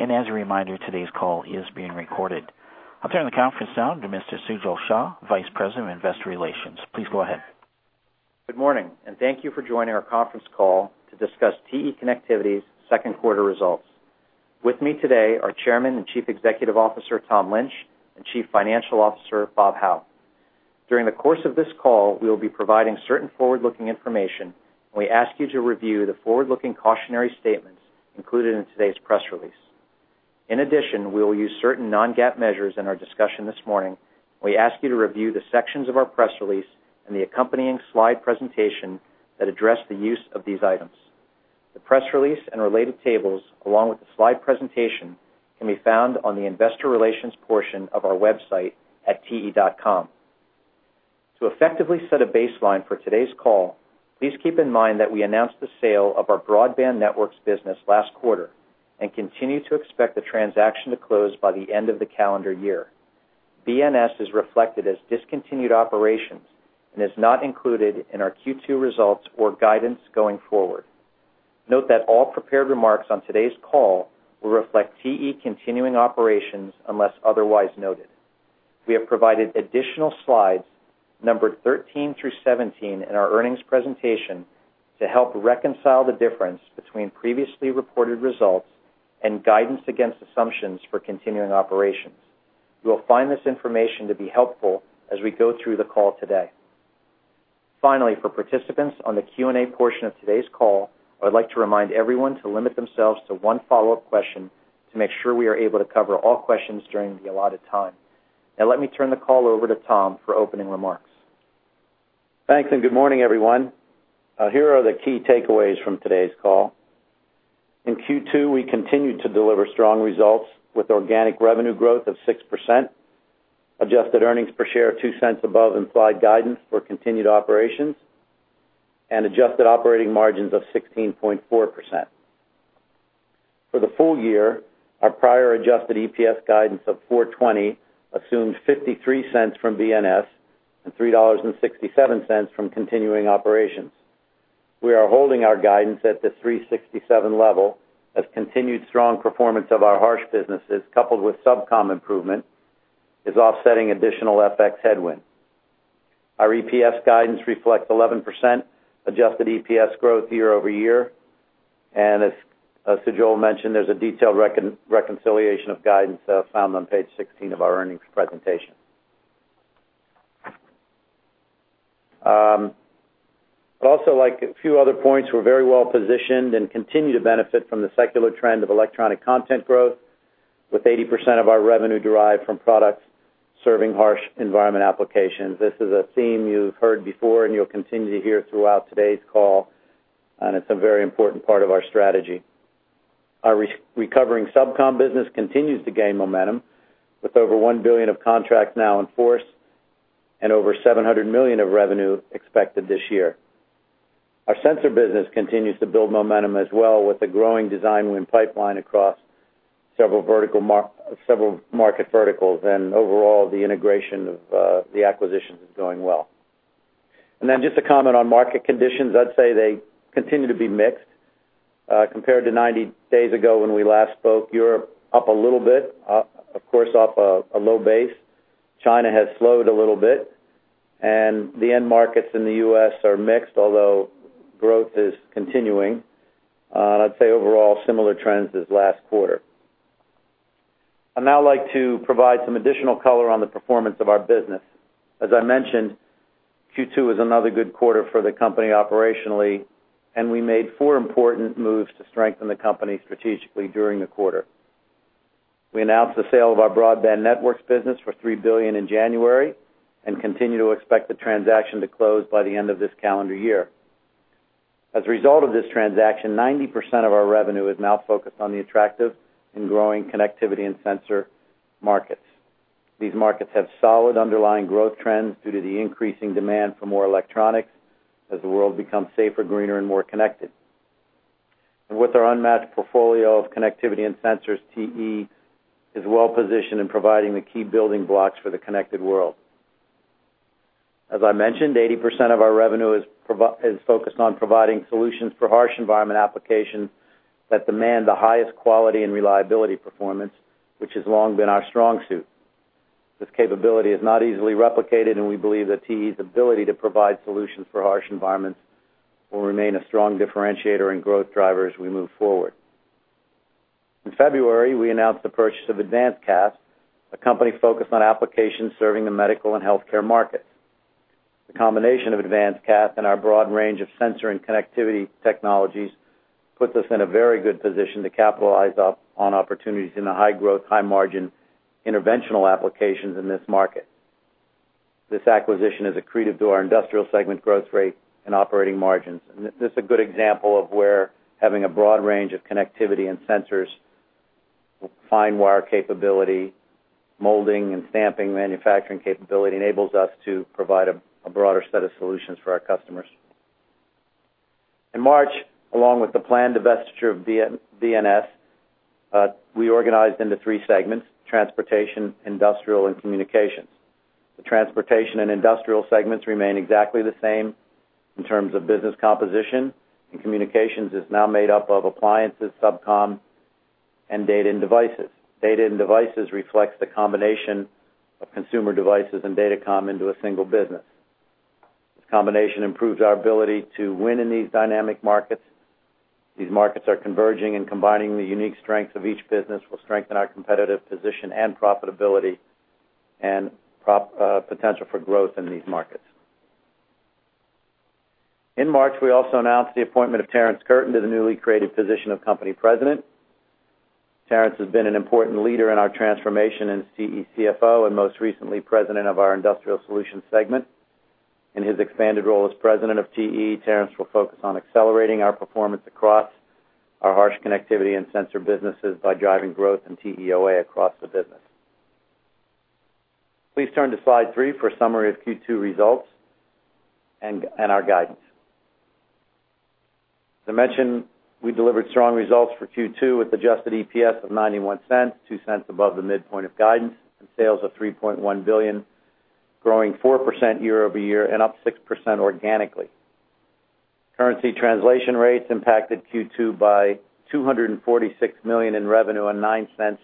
As a reminder, today's call is being recorded. I'll turn the conference now to Mr. Sujal Shah, Vice President of Investor Relations. Please go ahead. Good morning, and thank you for joining our conference call to discuss TE Connectivity's Q2 results. With me today are Chairman and Chief Executive Officer, Tom Lynch, and Chief Financial Officer, Bob Hau. During the course of this call, we will be providing certain forward-looking information, and we ask you to review the forward-looking cautionary statements included in today's press release. In addition, we will use certain non-GAAP measures in our discussion this morning. We ask you to review the sections of our press release and the accompanying slide presentation that address the use of these items. The press release and related tables, along with the slide presentation, can be found on the investor relations portion of our website at te.com. To effectively set a baseline for today's call, please keep in mind that we announced the sale of our Broadband Networks business last quarter and continue to expect the transaction to close by the end of the calendar year. BNS is reflected as discontinued operations and is not included in our Q2 results or guidance going forward. Note that all prepared remarks on today's call will reflect TE continuing operations, unless otherwise noted. We have provided additional slides, numbered 13 through 17, in our earnings presentation to help reconcile the difference between previously reported results and guidance against assumptions for continuing operations. You will find this information to be helpful as we go through the call today. Finally, for participants on the Q&A portion of today's call, I'd like to remind everyone to limit themselves to one follow-up question to make sure we are able to cover all questions during the allotted time. Now, let me turn the call over to Tom for opening remarks. Thanks, and good morning, everyone. Here are the key takeaways from today's call. In Q2, we continued to deliver strong results with organic revenue growth of 6%, adjusted earnings per share of $0.02 above implied guidance for continued operations, and adjusted operating margins of 16.4%. For the full year, our prior adjusted EPS guidance of $4.20 assumed $0.53 from BNS and $3.67 from continuing operations. We are holding our guidance at the $3.67 level, as continued strong performance of our harsh businesses, coupled with SubCom improvement, is offsetting additional FX headwind. Our EPS guidance reflects 11% adjusted EPS growth year over year, and as Sujal mentioned, there's a detailed reconciliation of guidance found on page 16 of our earnings presentation. But also, like a few other points, we're very well positioned and continue to benefit from the secular trend of electronic content growth, with 80% of our revenue derived from products serving harsh environment applications. This is a theme you've heard before, and you'll continue to hear throughout today's call, and it's a very important part of our strategy. Our recovering SubCom business continues to gain momentum, with over $1 billion of contracts now in force and over $700 million of revenue expected this year. Our sensor business continues to build momentum as well, with a growing design win pipeline across several market verticals, and overall, the integration of the acquisition is going well. And then just a comment on market conditions: I'd say they continue to be mixed, compared to 90 days ago when we last spoke. Europe, up a little bit, of course, off a low base. China has slowed a little bit, and the end markets in the U.S. are mixed, although growth is continuing. I'd say overall, similar trends as last quarter. I'd now like to provide some additional color on the performance of our business. As I mentioned, Q2 is another good quarter for the company operationally, and we made four important moves to strengthen the company strategically during the quarter. We announced the sale of our Broadband Networks business for $3 billion in January and continue to expect the transaction to close by the end of this calendar year. As a result of this transaction, 90% of our revenue is now focused on the attractive and growing connectivity and sensor markets. These markets have solid underlying growth trends due to the increasing demand for more electronics as the world becomes safer, greener, and more connected. And with our unmatched portfolio of connectivity and sensors, TE is well positioned in providing the key building blocks for the connected world. As I mentioned, 80% of our revenue is focused on providing solutions for harsh environment applications that demand the highest quality and reliability performance, which has long been our strong suit. This capability is not easily replicated, and we believe that TE's ability to provide solutions for harsh environments will remain a strong differentiator and growth driver as we move forward. In February, we announced the purchase of AdvancedCath, a company focused on applications serving the medical and healthcare markets. The combination of AdvancedCath and our broad range of sensor and connectivity technologies puts us in a very good position to capitalize on opportunities in the high-growth, high-margin interventional applications in this market. This acquisition is accretive to our industrial segment growth rate and operating margins. And this is a good example of where having a broad range of connectivity and sensors, fine wire capability, molding and stamping manufacturing capability, enables us to provide a broader set of solutions for our customers. In March, along with the planned divestiture of BNS, we organized into three segments: Transportation, Industrial, and Communications. The transportation and industrial segments remain exactly the same in terms of business composition, and communications is now made up of Appliances, SubCom, and Data and Devices. Data and Devices reflects the combination of Consumer Devices and Datacom into a single business. This combination improves our ability to win in these dynamic markets. These markets are converging, and combining the unique strengths of each business will strengthen our competitive position and profitability and proper potential for growth in these markets. In March, we also announced the appointment of Terrence Curtin to the newly created position of company President. Terrence has been an important leader in our transformation as CFO, and most recently, President of our Industrial Solutions segment. In his expanded role as President of TE, Terrence will focus on accelerating our performance across our harsh connectivity and sensor businesses by driving growth in TEOA across the business. Please turn to slide three for a summary of Q2 results and our guidance. As I mentioned, we delivered strong results for Q2 with adjusted EPS of $0.91, $0.02 above the midpoint of guidance, and sales of $3.1 billion, growing 4% year-over-year and up 6% organically. Currency translation rates impacted Q2 by $246 million in revenue and $0.09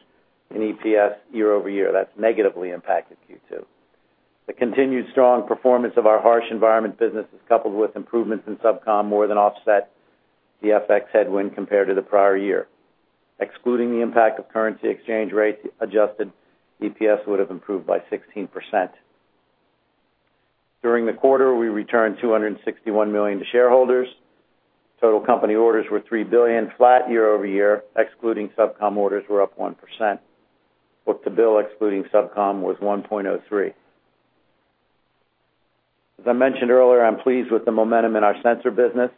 in EPS year-over-year. That's negatively impacted Q2. The continued strong performance of our harsh environment business is coupled with improvements in SubCom, more than offset the FX headwind compared to the prior year. Excluding the impact of currency exchange rates, adjusted EPS would have improved by 16%. During the quarter, we returned $261 million to shareholders. Total company orders were $3 billion, flat year-over-year, excluding SubCom orders were up 1%. Book-to-bill, excluding SubCom, was 1.03. As I mentioned earlier, I'm pleased with the momentum in our Sensors business.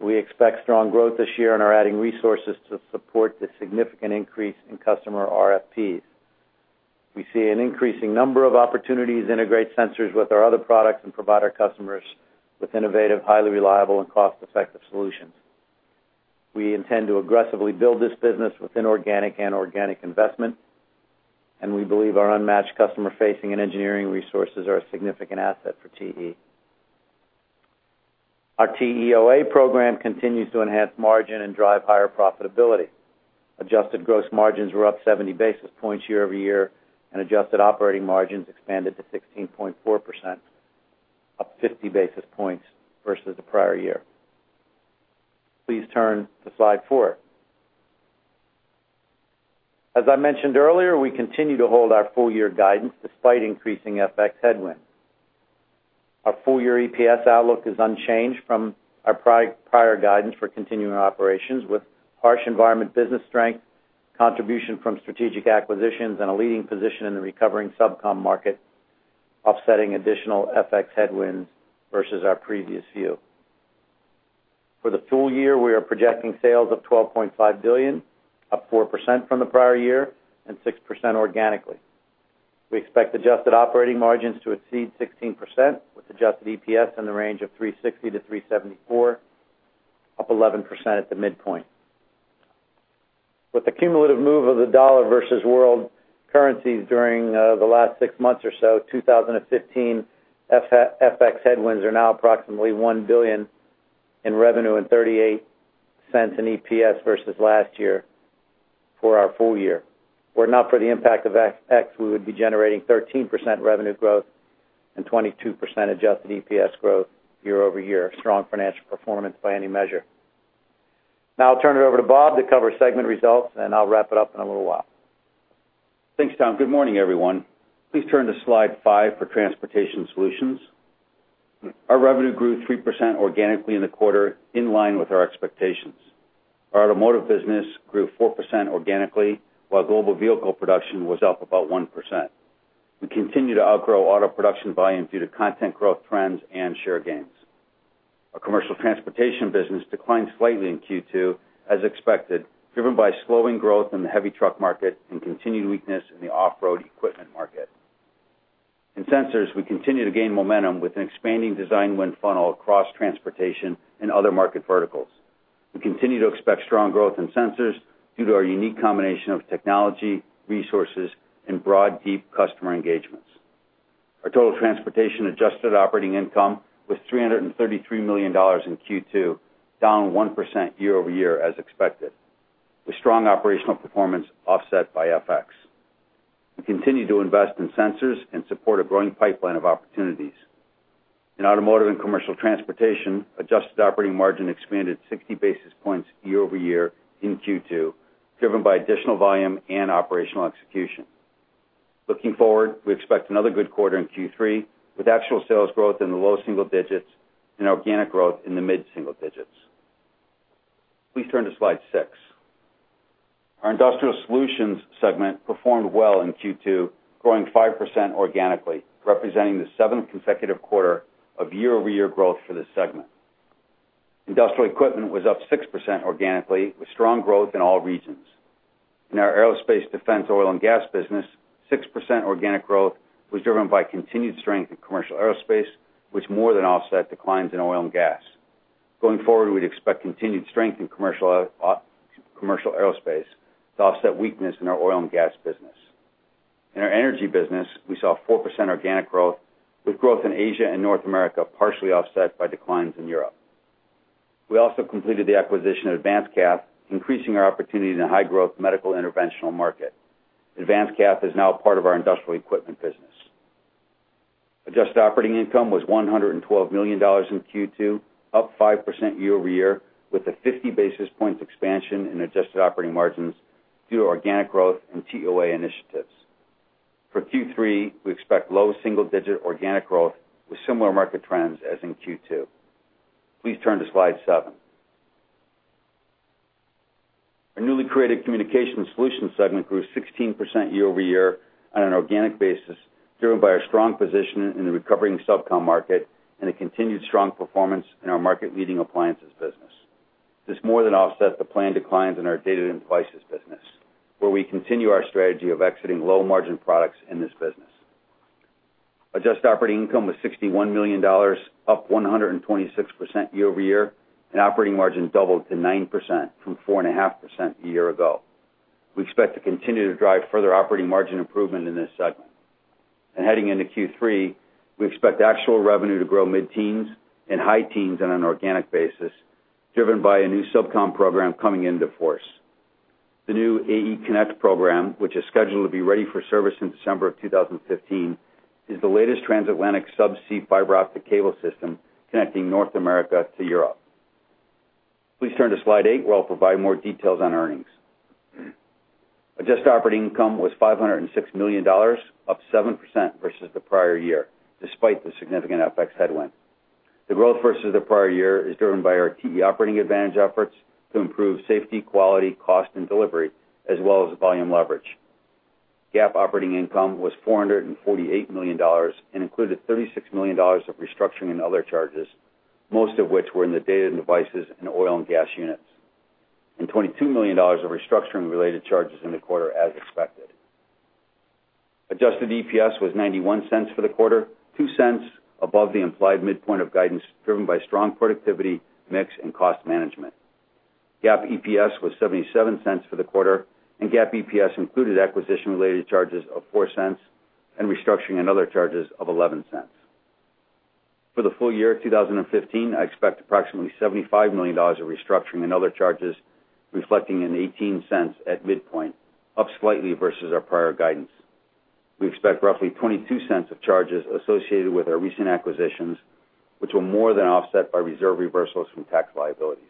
We expect strong growth this year and are adding resources to support the significant increase in customer RFPs. We see an increasing number of opportunities to integrate sensors with our other products and provide our customers with innovative, highly reliable, and cost-effective solutions. We intend to aggressively build this business with inorganic and organic investment, and we believe our unmatched customer-facing and engineering resources are a significant asset for TE. Our TEOA program continues to enhance margin and drive higher profitability. Adjusted gross margins were up 70 basis points year-over-year, and adjusted operating margins expanded to 16.4%, up 50 basis points versus the prior year. Please turn to slide 4. As I mentioned earlier, we continue to hold our full-year guidance despite increasing FX headwinds. Our full-year EPS outlook is unchanged from our prior guidance for continuing operations, with harsh environment business strength, contribution from strategic acquisitions, and a leading position in the recovering SubCom Market, offsetting additional FX headwinds versus our previous view. For the full year, we are projecting sales of $12.5 billion, up 4% from the prior year and 6% organically. We expect adjusted operating margins to exceed 16%, with adjusted EPS in the range of $3.60-$3.74, up 11% at the midpoint. With the cumulative move of the dollar versus world currencies during the last six months or so, 2015 FX headwinds are now approximately $1 billion in revenue and $0.38 in EPS versus last year for our full year. Were it not for the impact of FX, we would be generating 13% revenue growth and 22% adjusted EPS growth year-over-year. Strong financial performance by any measure. Now I'll turn it over to Bob to cover segment results, and I'll wrap it up in a little while. Thanks, Tom. Good morning, everyone. Please turn to slide five for transportation solutions. Our revenue grew 3% organically in the quarter, in line with our expectations. Our Automotive business grew 4% organically, while global vehicle production was up about 1%. We continue to outgrow auto production volume due to content growth trends and share gains. Our Commercial Transportation business declined slightly in Q2, as expected, driven by slowing growth in the heavy truck market and continued weakness in the off-road equipment market. In sensors, we continue to gain momentum with an expanding design win funnel across transportation and other market verticals. We continue to expect strong growth in sensors due to our unique combination of technology, resources, and broad, deep customer engagements. Our total transportation adjusted operating income was $333 million in Q2, down 1% year-over-year as expected, with strong operational performance offset by FX. We continue to invest in sensors and support a growing pipeline of opportunities. In Automotive and Commercial Transportation, adjusted operating margin expanded 60 basis points year-over-year in Q2, driven by additional volume and operational execution. Looking forward, we expect another good quarter in Q3, with actual sales growth in the low single digits and organic growth in the mid single digits. Please turn to slide 6. Our Industrial Solutions segment performed well in Q2, growing 5% organically, representing the seventh consecutive quarter of year-over-year growth for this segment. Industrial equipment was up 6% organically, with strong growth in all regions. In our Aerospace, Defense, Oil, and Gas business, 6% organic growth was driven by continued strength in commercial aerospace, which more than offset declines in Oil and Gas. Going forward, we'd expect continued strength in commercial aerospace to offset weakness in our Oil and Gas business. In our Energy business, we saw 4% organic growth, with growth in Asia and North America partially offset by declines in Europe. We also completed the acquisition of AdvancedCath, increasing our opportunity in the high-growth medical interventional market. AdvancedCath is now part of our Industrial Equipment business. Adjusted operating income was $112 million in Q2, up 5% year-over-year, with a 50 basis points expansion in adjusted operating margins due to organic growth and TOA initiatives. For Q3, we expect low single-digit organic growth with similar market trends as in Q2. Please turn to Slide 7. Our newly created Communication Solutions segment grew 16% year-over-year on an organic basis, driven by our strong position in the recovering SubCom market and a continued strong performance in our market-leading appliances business. This more than offsets the planned declines in our Data and Devices business, where we continue our strategy of exiting low-margin products in this business. Adjusted operating income was $61 million, up 126% year-over-year, and operating margin doubled to 9% from 4.5% a year ago. We expect to continue to drive further operating margin improvement in this segment. And heading into Q3, we expect actual revenue to grow mid-teens and high teens on an organic basis, driven by a new SubCom program coming into force. The new AEConnect program, which is scheduled to be ready for service in December of 2015, is the latest transatlantic subsea fiber optic cable system connecting North America to Europe. Please turn to Slide 8, where I'll provide more details on earnings. Adjusted operating income was $506 million, up 7% versus the prior year, despite the significant FX headwind. The growth versus the prior year is driven by our TE Operating Advantage efforts to improve safety, quality, cost, and delivery, as well as volume leverage. GAAP operating income was $448 million and included $36 million of restructuring and other charges, most of which were in the Data and Devices and Oil and Gas units, and $22 million of restructuring-related charges in the quarter as expected. Adjusted EPS was $0.91 for the quarter, $0.02 above the implied midpoint of guidance, driven by strong productivity, mix, and cost management. GAAP EPS was $0.77 for the quarter, and GAAP EPS included acquisition-related charges of $0.04 and restructuring and other charges of $0.11. For the full year of 2015, I expect approximately $75 million of restructuring and other charges, reflecting in $0.18 at midpoint, up slightly versus our prior guidance. We expect roughly $0.22 of charges associated with our recent acquisitions, which will more than offset our reserve reversals from tax liabilities.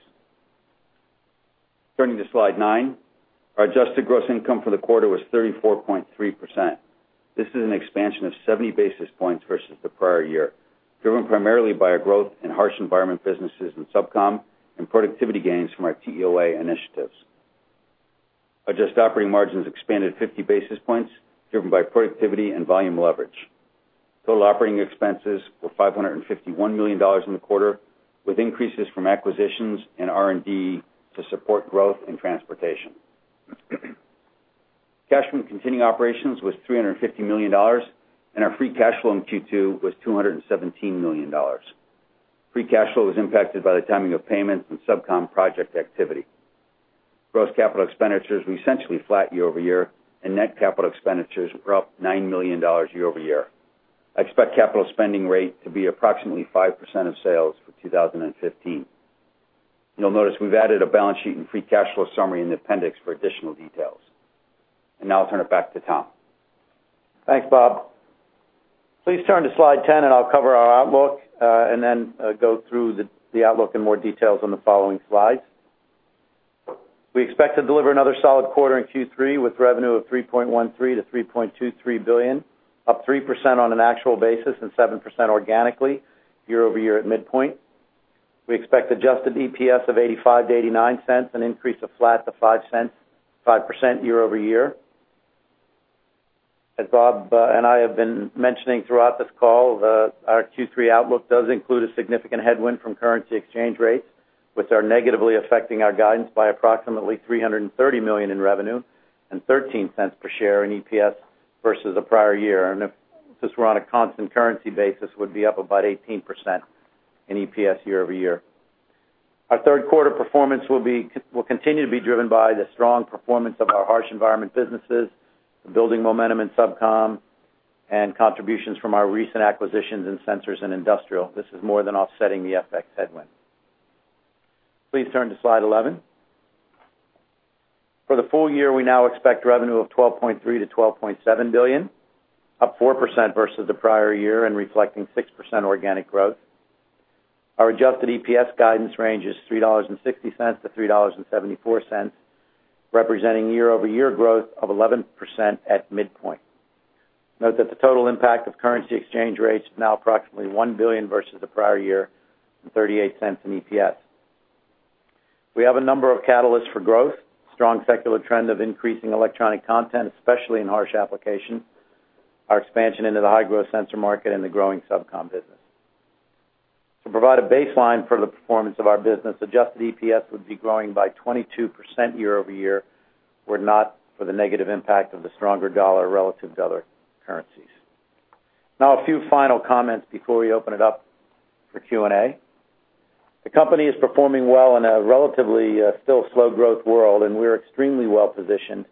Turning to Slide 9. Our adjusted gross income for the quarter was 34.3%. This is an expansion of 70 basis points versus the prior year, driven primarily by our growth in harsh environment businesses and SubCom and productivity gains from our TOA initiatives. Adjusted operating margins expanded 50 basis points, driven by productivity and volume leverage. Total operating expenses were $551 million in the quarter, with increases from acquisitions and R&D to support growth in transportation. Cash from continuing operations was $350 million, and our free cash flow in Q2 was $217 million. Free cash flow was impacted by the timing of payments and SubCom project activity. Gross capital expenditures were essentially flat year-over-year, and net capital expenditures were up $9 million year-over-year. I expect capital spending rate to be approximately 5% of sales for 2015. You'll notice we've added a balance sheet and free cash flow summary in the appendix for additional details. And now I'll turn it back to Tom. Thanks, Bob. Please turn to Slide 10, and I'll cover our outlook, and then go through the outlook in more details on the following slides. We expect to deliver another solid quarter in Q3, with revenue of $3.13 billion-$3.23 billion, up 3% on an actual basis and 7% organically year-over-year at midpoint. We expect adjusted EPS of $0.85-$0.89, an increase of flat to $0.05 5% year-over-year. As Bob and I have been mentioning throughout this call, our Q3 outlook does include a significant headwind from currency exchange rates, which are negatively affecting our guidance by approximately $330 million in revenue and $0.13 per share in EPS versus the prior year. Since we're on a constant currency basis, would be up about 18% in EPS year over year. Our Q3 performance will continue to be driven by the strong performance of our harsh environment businesses, the building momentum in SubCom, and contributions from our recent acquisitions in sensors and industrial. This is more than offsetting the FX headwind. Please turn to Slide 11. For the full year, we now expect revenue of $12.3 billion-$12.7 billion, up 4% versus the prior year and reflecting 6% organic growth. Our adjusted EPS guidance range is $3.60-$3.74, representing year-over-year growth of 11% at midpoint. Note that the total impact of currency exchange rates is now approximately $1 billion versus the prior year and $0.38 in EPS. We have a number of catalysts for growth: strong secular trend of increasing electronic content, especially in harsh applications, our expansion into the high-growth sensor market, and the growing SubCom business. To provide a baseline for the performance of our business, adjusted EPS would be growing by 22% year-over-year, were not for the negative impact of the stronger dollar relative to other currencies. Now a few final comments before we open it up for Q&A. The company is performing well in a relatively still slow growth world, and we're extremely well positioned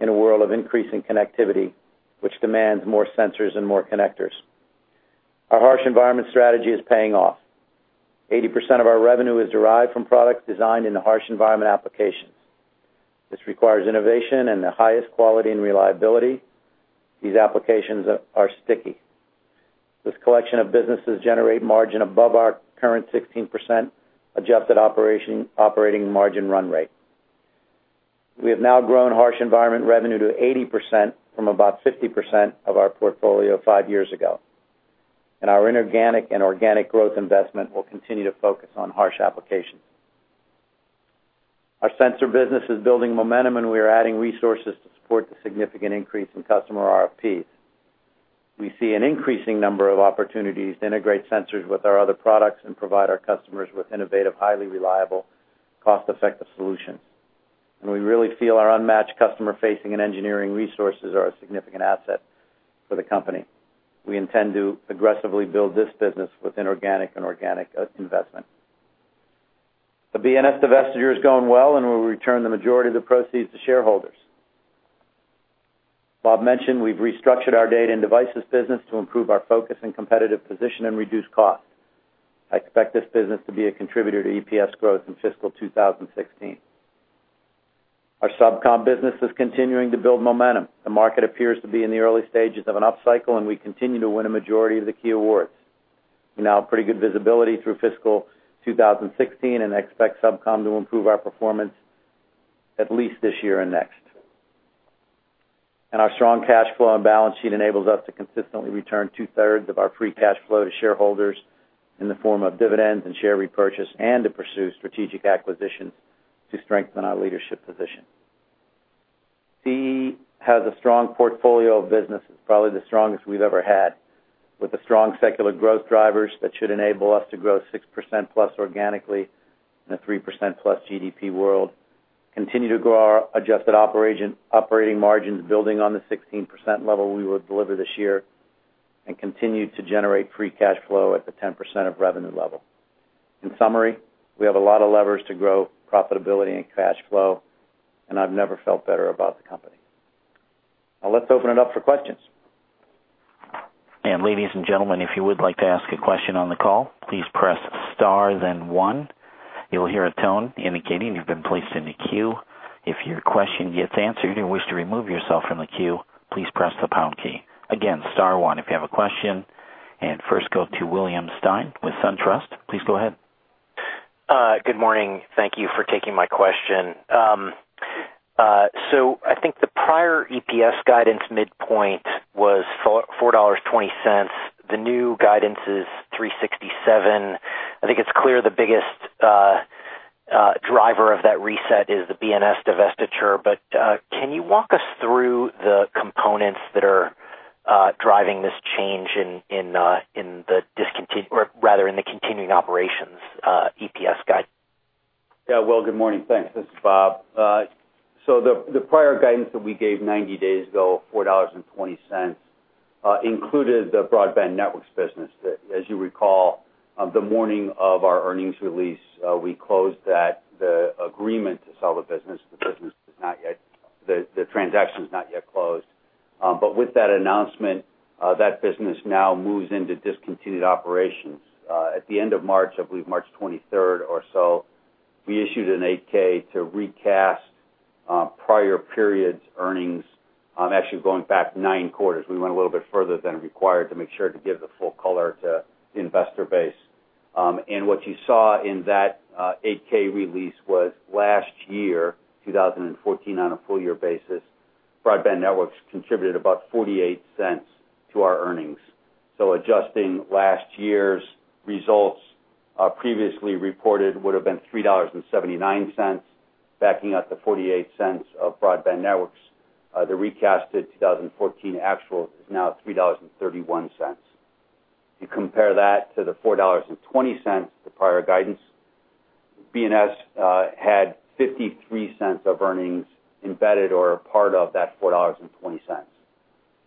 in a world of increasing connectivity, which demands more sensors and more connectors. Our harsh environment strategy is paying off. 80% of our revenue is derived from products designed in the harsh environment applications. This requires innovation and the highest quality and reliability. These applications are sticky. This collection of businesses generate margin above our current 16% adjusted operating margin run rate. We have now grown harsh environment revenue to 80% from about 50% of our portfolio five years ago, and our inorganic and organic growth investment will continue to focus on harsh applications. Our sensor business is building momentum, and we are adding resources to support the significant increase in customer RFPs. We see an increasing number of opportunities to integrate sensors with our other products and provide our customers with innovative, highly reliable, cost-effective solutions. We really feel our unmatched customer-facing and engineering resources are a significant asset for the company. We intend to aggressively build this business with inorganic and organic investment. The BNS divestiture is going well, and we'll return the majority of the proceeds to shareholders. Bob mentioned we've restructured our Data and Devices business to improve our focus and competitive position and reduce costs. I expect this business to be a contributor to EPS growth in fiscal 2016. Our SubCom business is continuing to build momentum. The market appears to be in the early stages of an upcycle, and we continue to win a majority of the key awards. We now have pretty good visibility through fiscal 2016, and expect SubCom to improve our performance at least this year and next. Our strong cash flow and balance sheet enables us to consistently return 2/3 of our free cash flow to shareholders in the form of dividends and share repurchase, and to pursue strategic acquisitions to strengthen our leadership position. TE has a strong portfolio of businesses, probably the strongest we've ever had, with the strong secular growth drivers that should enable us to grow 6%+ organically in a 3%+ GDP world, continue to grow our adjusted operating margins, building on the 16% level we will deliver this year, and continue to generate free cash flow at the 10% of revenue level. In summary, we have a lot of levers to grow profitability and cash flow, and I've never felt better about the company. Now let's open it up for questions. Ladies and gentlemen, if you would like to ask a question on the call, please press star then one. You will hear a tone indicating you've been placed in the queue. If your question gets answered and you wish to remove yourself from the queue, please press the pound key. Again, star one if you have a question. And first go to William Stein with SunTrust. Please go ahead. Good morning. Thank you for taking my question. So I think the prior EPS guidance midpoint was $4.40. The new guidance is $3.67. I think it's clear the biggest driver of that reset is the BNS divestiture. But can you walk us through the components that are driving this change in the discontinued or rather, in the continuing operations EPS guide? Yeah, Will, good morning. Thanks. This is Bob. So the prior guidance that we gave 90 days ago, $4.20, included the Broadband Networks business. That as you recall, on the morning of our earnings release, we closed the agreement to sell the business. The business is not yet... The transaction is not yet closed. But with that announcement, that business now moves into discontinued operations. At the end of March, I believe March 23 or so, we issued an 8-K to recast prior periods earnings, actually going back nine quarters. We went a little bit further than required to make sure to give the full color to the investor base. And what you saw in that 8-K release was last year, 2014, on a full year basis, Broadband Networks contributed about $0.48 to our earnings. So adjusting last year's results, previously reported, would've been $3.79, backing out the $0.48 of Broadband Networks. The recast 2014 actual is now $3.31. You compare that to the $4.20, the prior guidance, BNS had $0.53 of earnings embedded or a part of that $4.20.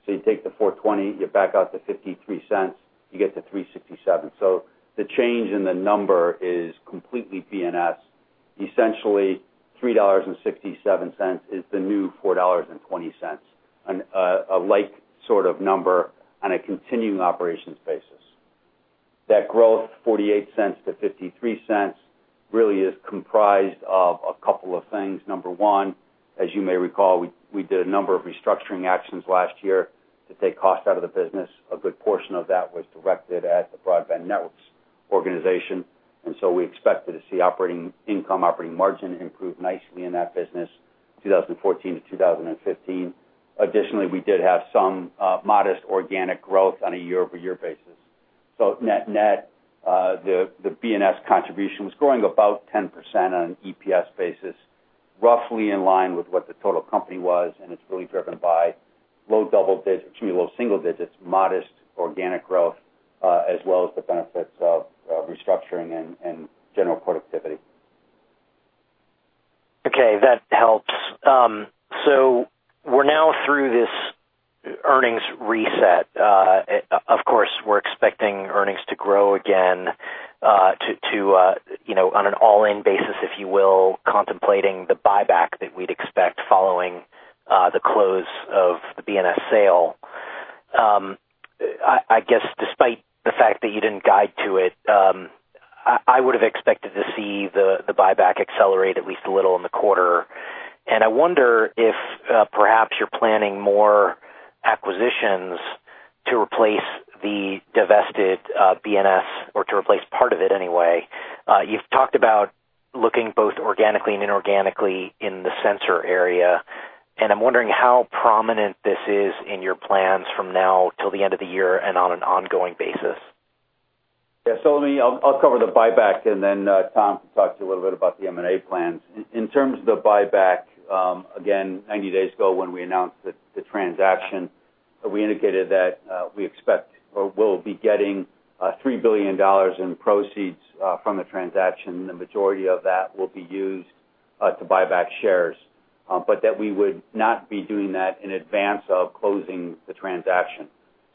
So you take the $4.20, you back out the $0.53, you get to $3.67. So the change in the number is completely BNS. Essentially, $3.67 is the new $4.20, and a like sort of number on a continuing operations basis. That growth, $0.48 to $0.53, really is comprised of a couple of things. Number one, as you may recall, we, we did a number of restructuring actions last year to take cost out of the business. A good portion of that was directed at the Broadband Networks organization, and so we expected to see operating income, operating margin improve nicely in that business, 2014 to 2015. Additionally, we did have some modest organic growth on a year-over-year basis. So net-net, the BNS contribution was growing about 10% on an EPS basis, roughly in line with what the total company was, and it's really driven by low double digits, excuse me, low single digits, modest organic growth, as well as the benefits of restructuring and general productivity.... Okay, that helps. So we're now through this earnings reset. Of course, we're expecting earnings to grow again, to you know, on an all-in basis, if you will, contemplating the buyback that we'd expect following the close of the BNS sale. I guess despite the fact that you didn't guide to it, I would have expected to see the buyback accelerate at least a little in the quarter. And I wonder if perhaps you're planning more acquisitions to replace the divested BNS or to replace part of it anyway. You've talked about looking both organically and inorganically in the sensor area, and I'm wondering how prominent this is in your plans from now till the end of the year and on an ongoing basis? Yeah, so let me—I'll, I'll cover the buyback, and then, Tom can talk to you a little bit about the M&A plans. In, in terms of the buyback, again, 90 days ago, when we announced the, the transaction, we indicated that, we expect or will be getting, $3 billion in proceeds, from the transaction. The majority of that will be used, to buy back shares, but that we would not be doing that in advance of closing the transaction.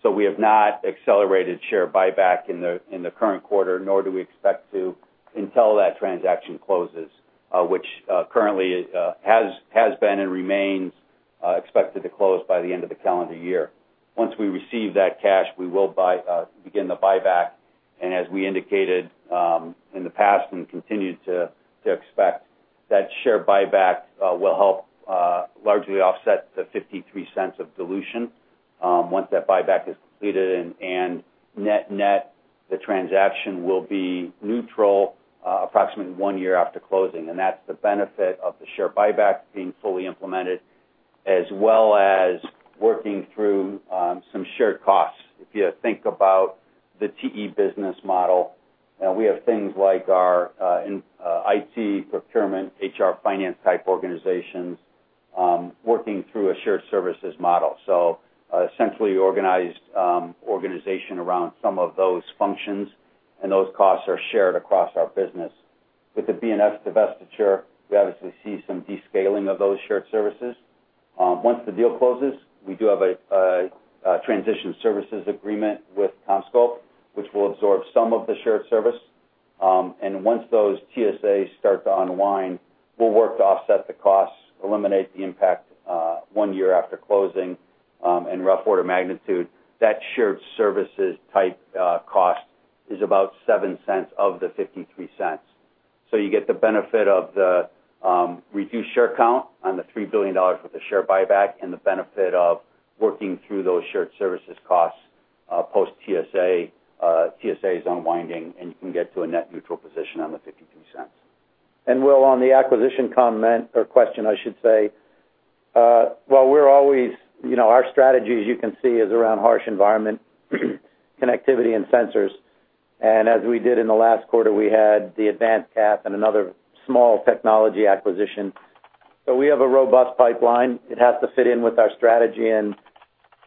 So we have not accelerated share buyback in the, in the current quarter, nor do we expect to, until that transaction closes, which, currently, has, has been and remains, expected to close by the end of the calendar year. Once we receive that cash, we will buy, begin the buyback. As we indicated, in the past and continue to expect, that share buyback will help largely offset the $0.53 of dilution, once that buyback is completed, and net-net, the transaction will be neutral approximately one year after closing. That's the benefit of the share buyback being fully implemented, as well as working through some shared costs. If you think about the TE business model, we have things like our in IT, procurement, HR, finance type organizations working through a shared services model. So a centrally organized organization around some of those functions, and those costs are shared across our business. With the BNS divestiture, we obviously see some descaling of those shared services. Once the deal closes, we do have a transition services agreement with CommScope, which will absorb some of the shared service. And once those TSAs start to unwind, we'll work to offset the costs, eliminate the impact, one year after closing. In rough order of magnitude, that shared services type cost is about $0.07 of the $0.53. So you get the benefit of the reduced share count on the $3 billion with the share buyback and the benefit of working through those shared services costs post TSA, TSAs unwinding, and you can get to a net neutral position on the $0.52. And Will, on the acquisition comment or question, I should say, well, we're always, you know, our strategy, as you can see, is around harsh environment, connectivity and sensors. As we did in the last quarter, we had the AdvancedCath and another small technology acquisition. So we have a robust pipeline. It has to fit in with our strategy, and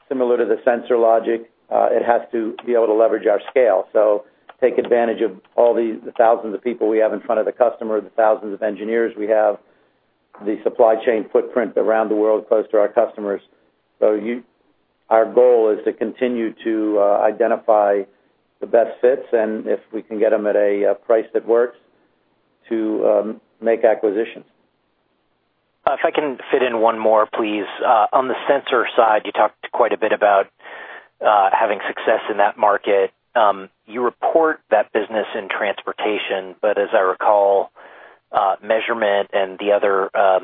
similar to the sensor logic, it has to be able to leverage our scale. So take advantage of all the, the thousands of people we have in front of the customer, the thousands of engineers we have, the supply chain footprint around the world close to our customers. So, our goal is to continue to identify the best fits and if we can get them at a price that works, to make acquisitions. If I can fit in one more, please. On the sensor side, you talked quite a bit about having success in that market. You report that business in transportation, but as I recall, measurement and the other, I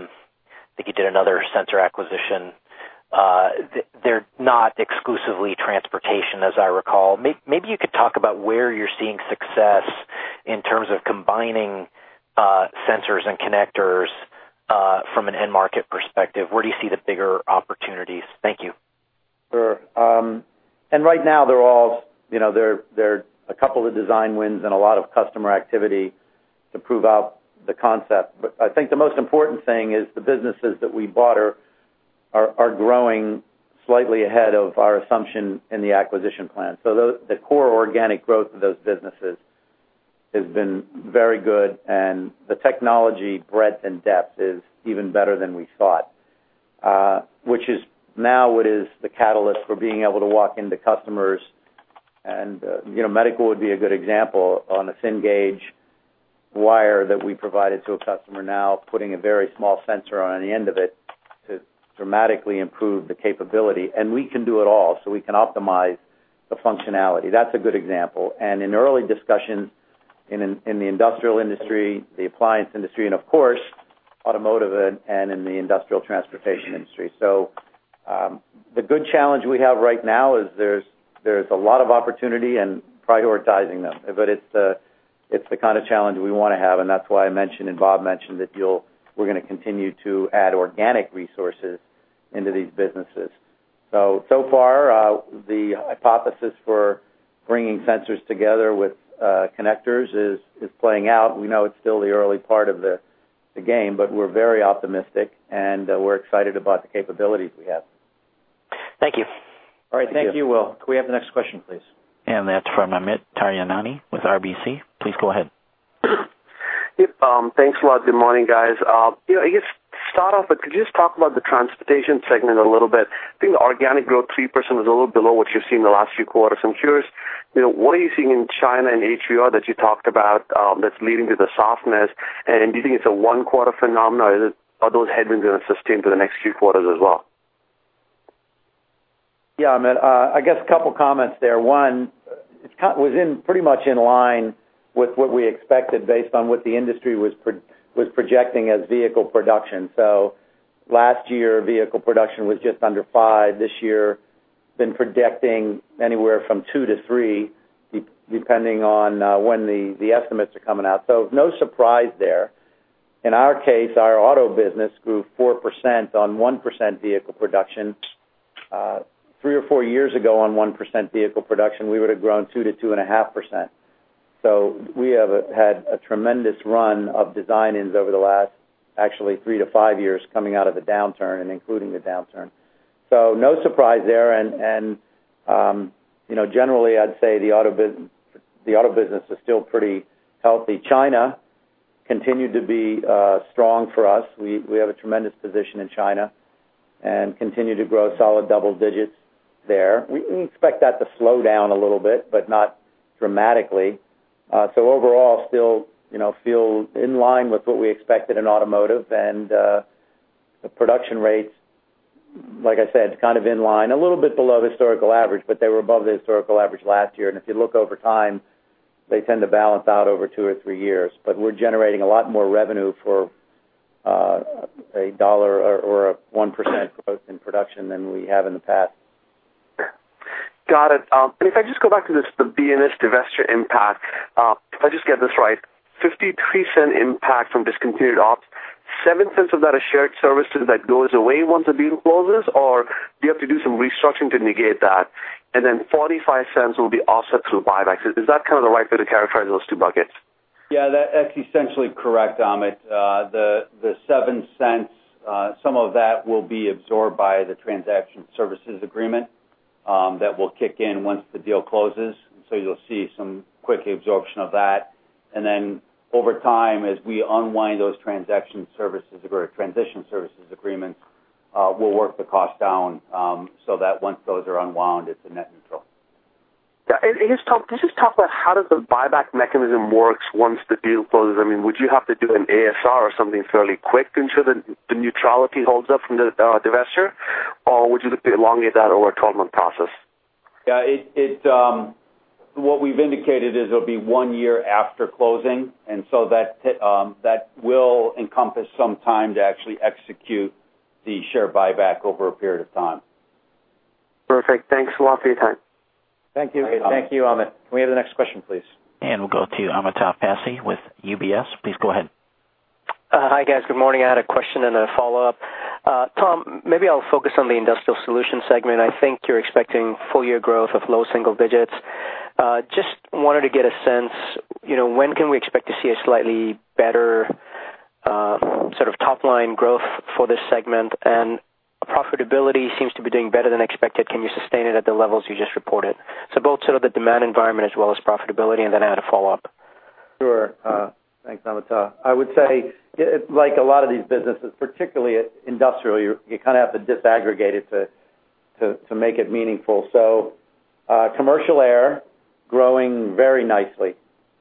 think you did another sensor acquisition, they're not exclusively transportation, as I recall. Maybe you could talk about where you're seeing success in terms of combining sensors and connectors from an end market perspective. Where do you see the bigger opportunities? Thank you. Sure. And right now, they're all, you know, there, there are a couple of design wins and a lot of customer activity to prove out the concept. But I think the most important thing is the businesses that we bought are growing slightly ahead of our assumption in the acquisition plan. So the core organic growth of those businesses has been very good, and the technology breadth and depth is even better than we thought, which is now what is the catalyst for being able to walk into customers. And, you know, medical would be a good example on a thin gauge wire that we provided to a customer now, putting a very small sensor on the end of it to dramatically improve the capability, and we can do it all, so we can optimize the functionality. That's a good example. And in early discussions in the industrial industry, the appliance industry, and of course, automotive and in the industrial transportation industry. So, the good challenge we have right now is there's a lot of opportunity and prioritizing them, but it's the kind of challenge we wanna have, and that's why I mentioned, and Bob mentioned, that we're gonna continue to add organic resources into these businesses. So, so far, the hypothesis for bringing sensors together with connectors is playing out. We know it's still the early part of the game, but we're very optimistic, and we're excited about the capabilities we have.... Thank you. All right. Thank you, Will. Can we have the next question, please? That's from Amit Daryanani with RBC. Please go ahead. Yep, thanks a lot. Good morning, guys. You know, I guess to start off with, could you just talk about the transportation segment a little bit? I think the organic growth, 3%, is a little below what you've seen in the last few quarters. I'm curious, you know, what are you seeing in China and ATR that you talked about, that's leading to the softness? And do you think it's a one-quarter phenomenon, or are those headwinds going to sustain for the next few quarters as well? Yeah, Amit, I guess a couple comments there. One, it was in pretty much in line with what we expected based on what the industry was projecting as vehicle production. So last year, vehicle production was just under 5. This year, been predicting anywhere from 2 to 3, depending on when the estimates are coming out. So no surprise there. In our case, our auto business grew 4% on 1% vehicle production. Three or four years ago, on 1% vehicle production, we would have grown 2% to 2.5%. So we have had a tremendous run of design-ins over the last, actually, 3 to 5 years coming out of the downturn and including the downturn. So no surprise there, and, you know, generally, I'd say the auto business is still pretty healthy. China continued to be strong for us. We have a tremendous position in China and continue to grow solid double digits there. We expect that to slow down a little bit, but not dramatically. So overall, still, you know, feel in line with what we expected in automotive, and the production rates, like I said, kind of in line, a little bit below historical average, but they were above the historical average last year. And if you look over time, they tend to balance out over two or three years. But we're generating a lot more revenue for a dollar or a 1% growth in production than we have in the past. Got it. And if I just go back to this, the BNS divestiture impact, if I just get this right, $0.53 impact from discontinued ops, $0.07 of that is shared services that goes away once the deal closes, or do you have to do some restructuring to negate that, and then $0.45 will be offset through buybacks. Is that kind of the right way to characterize those two buckets? Yeah, that's essentially correct, Amit. The $0.07, some of that will be absorbed by the transition services agreement that will kick in once the deal closes, so you'll see some quick absorption of that. And then over time, as we unwind those transition services or transition services agreements, we'll work the cost down, so that once those are unwound, it's a net neutral. Yeah, and can you just talk about how does the buyback mechanism works once the deal closes? I mean, would you have to do an ASR or something fairly quick to ensure that the neutrality holds up from the divestiture, or would you look to elongate that over a 12-month process? Yeah... What we've indicated is it'll be one year after closing, and so that will encompass some time to actually execute the share buyback over a period of time. Perfect. Thanks a lot for your time. Thank you. Thank you, Amit. Can we have the next question, please? We'll go to Amitabh Passi with UBS. Please go ahead. Hi, guys. Good morning. I had a question and a follow-up. Tom, maybe I'll focus on the Industrial Solutions segment. I think you're expecting full year growth of low single digits. Just wanted to get a sense, you know, when can we expect to see a slightly better sort of top-line growth for this segment? And profitability seems to be doing better than expected. Can you sustain it at the levels you just reported? So both sort of the demand environment as well as profitability, and then I had a follow-up. Sure. Thanks, Amitabh. I would say, like a lot of these businesses, particularly industrial, you kind of have to disaggregate it to make it meaningful. So, commercial air, growing very nicely.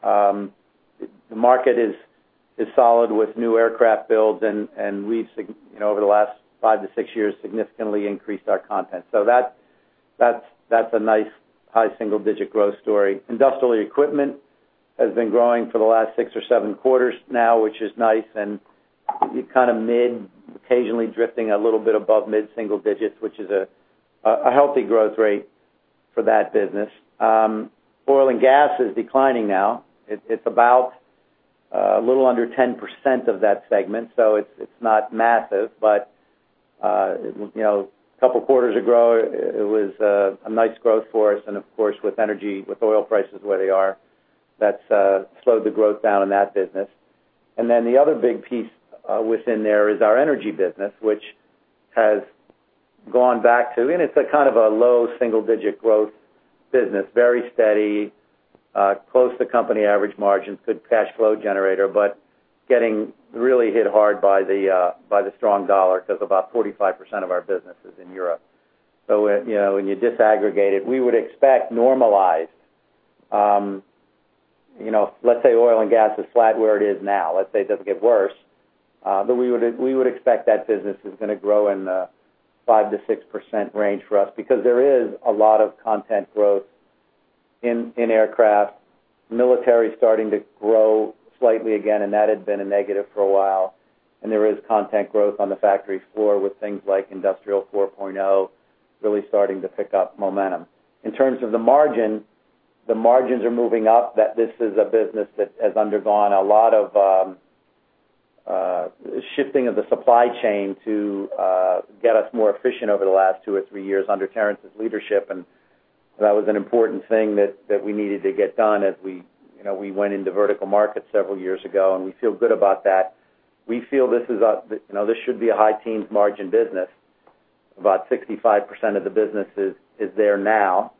The market is solid with new aircraft builds, and we've significantly—you know—over the last 5-6 years, increased our content. So that, that's a nice high single-digit growth story. Industrial equipment has been growing for the last 6 or 7 quarters now, which is nice, and kind of mid, occasionally drifting a little bit above mid-single digits, which is a healthy growth rate for that business. Oil and Gas is declining now. It's about a little under 10% of that segment, so it's not massive, but you know, a couple quarters ago, it was a nice growth for us, and of course, with energy, with oil prices where they are, that's slowed the growth down in that business. And then the other big piece within there is our energy business, which has gone back to, and it's a kind of a low single-digit growth business, very steady, close to company average margin, good cash flow generator, but getting really hit hard by the strong dollar, because about 45% of our business is in Europe. So, you know, when you disaggregate it, we would expect normalized, you know, let's say Oil and Gas is flat where it is now, let's say it doesn't get worse, but we would expect that business is gonna grow in the 5%-6% range for us because there is a lot of content growth in aircraft. Military is starting to grow slightly again, and that had been a negative for a while. And there is content growth on the factory floor with things like Industrial 4.0 really starting to pick up momentum. In terms of the margin, the margins are moving up, that this is a business that has undergone a lot of shifting of the supply chain to get us more efficient over the last two or three years under Terrence's leadership, and... That was an important thing that we needed to get done as we, you know, we went into vertical markets several years ago, and we feel good about that. We feel this is a, you know, this should be a high teens% margin business. About 65% of the business is there now,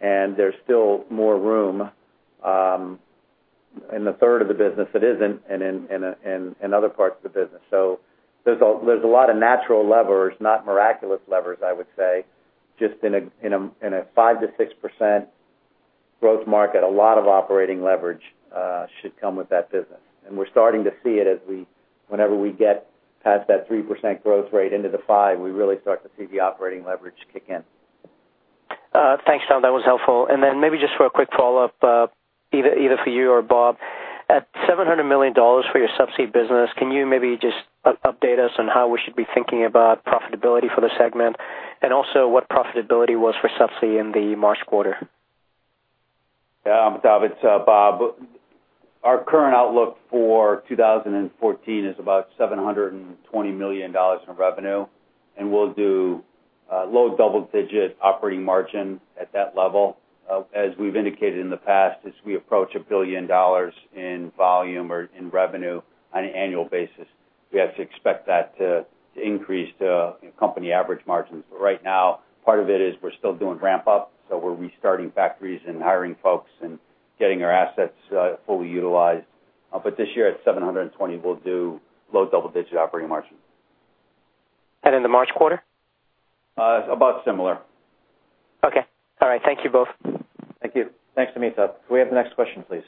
and there's still more room in the third of the business that isn't and in other parts of the business. So there's a lot of natural levers, not miraculous levers, I would say, just in a five to six% growth market, a lot of operating leverage should come with that business. And we're starting to see it as we whenever we get past that 3% growth rate into the 5%, we really start to see the operating leverage kick in. Thanks, Tom. That was helpful. Then maybe just for a quick follow-up, either for you or Bob. At $700 million for your subsea business, can you maybe just update us on how we should be thinking about profitability for the segment, and also what profitability was for subsea in the March quarter? Yeah, Amitabh, it's Bob. Our current outlook for 2014 is about $720 million in revenue, and we'll do low double-digit operating margin at that level. As we've indicated in the past, as we approach $1 billion in volume or in revenue on an annual basis, we have to expect that to, to increase to company average margins. But right now, part of it is we're still doing ramp up, so we're restarting factories and hiring folks and getting our assets fully utilized. But this year, at 720, we'll do low double-digit operating margins. In the March quarter? About similar. Okay. All right. Thank you both. Thank you. Thanks, Amit. Can we have the next question, please?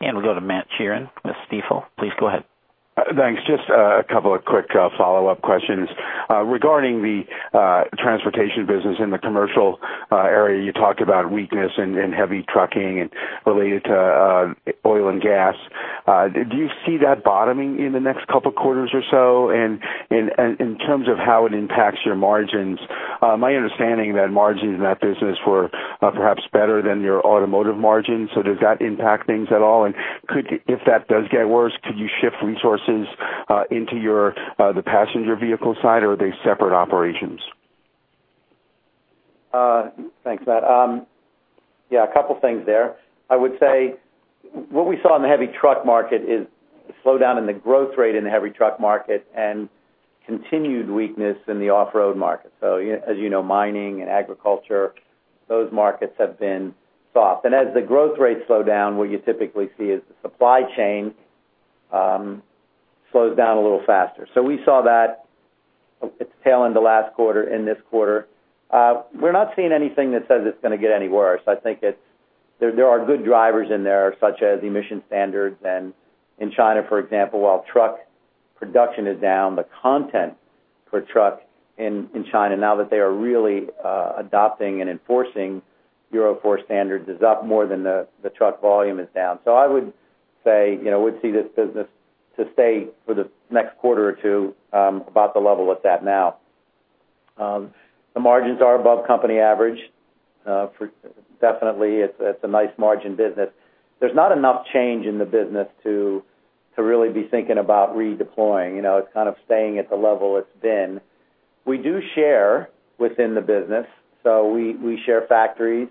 We'll go to Matt Sheerin with Stifel. Please go ahead. Thanks. Just a couple of quick follow-up questions. Regarding the transportation business in the commercial area, you talked about weakness in heavy trucking and related to Oil and Gas. Do you see that bottoming in the next couple of quarters or so? And in terms of how it impacts your margins, my understanding that margins in that business were perhaps better than your automotive margins, so does that impact things at all? And could—if that does get worse, could you shift resources into your the passenger vehicle side, or are they separate operations? Thanks, Matt. Yeah, a couple things there. I would say what we saw in the heavy truck market is a slowdown in the growth rate in the heavy truck market and continued weakness in the off-road market. So as you know, mining and agriculture, those markets have been soft. And as the growth rates slow down, what you typically see is the supply chain slows down a little faster. So we saw that at the tail end of last quarter, in this quarter. We're not seeing anything that says it's gonna get any worse. I think it's... There, there are good drivers in there, such as emission standards. In China, for example, while truck production is down, the content for trucks in China, now that they are really adopting and enforcing Euro 4 standards, is up more than the truck volume is down. So I would say, you know, we'd see this business to stay for the next quarter or two, about the level it's at now. The margins are above company average. Definitely, it's a nice margin business. There's not enough change in the business to really be thinking about redeploying. You know, it's kind of staying at the level it's been. We do share within the business, so we share factories.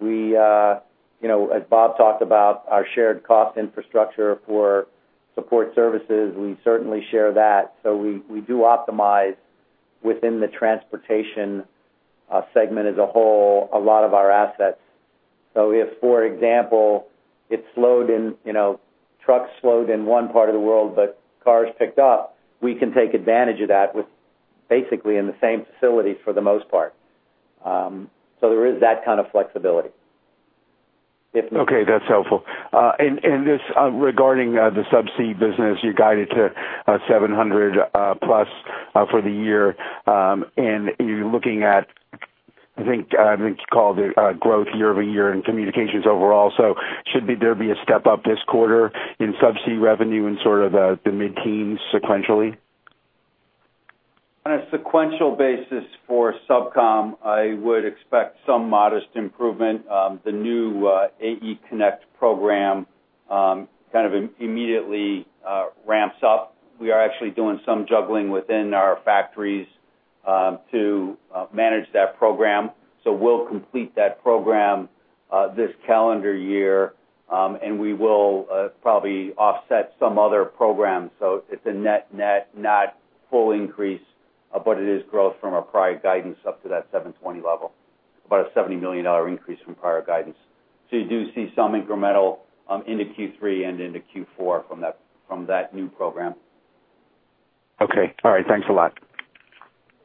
You know, as Bob talked about, our shared cost infrastructure for support services, we certainly share that. So we do optimize within the transportation segment as a whole, a lot of our assets. So if, for example, it slowed in, you know, trucks slowed in one part of the world, but cars picked up, we can take advantage of that with basically in the same facilities for the most part. So there is that kind of flexibility. If- Okay, that's helpful. And just regarding the subsea business, you guided to $700 million+ for the year. And you're looking at, I think, I think you called it, growth year-over-year in communications overall. So should there be a step up this quarter in subsea revenue in sort of the mid-teens sequentially? On a sequential basis for SubCom, I would expect some modest improvement. The new AEConnect program kind of immediately ramps up. We are actually doing some juggling within our factories to manage that program. So we'll complete that program this calendar year, and we will probably offset some other programs. So it's a net net, not full increase, but it is growth from our prior guidance up to that 720 level, about a $70 million increase from prior guidance. So you do see some incremental into Q3 and into Q4 from that, from that new program. Okay. All right. Thanks a lot.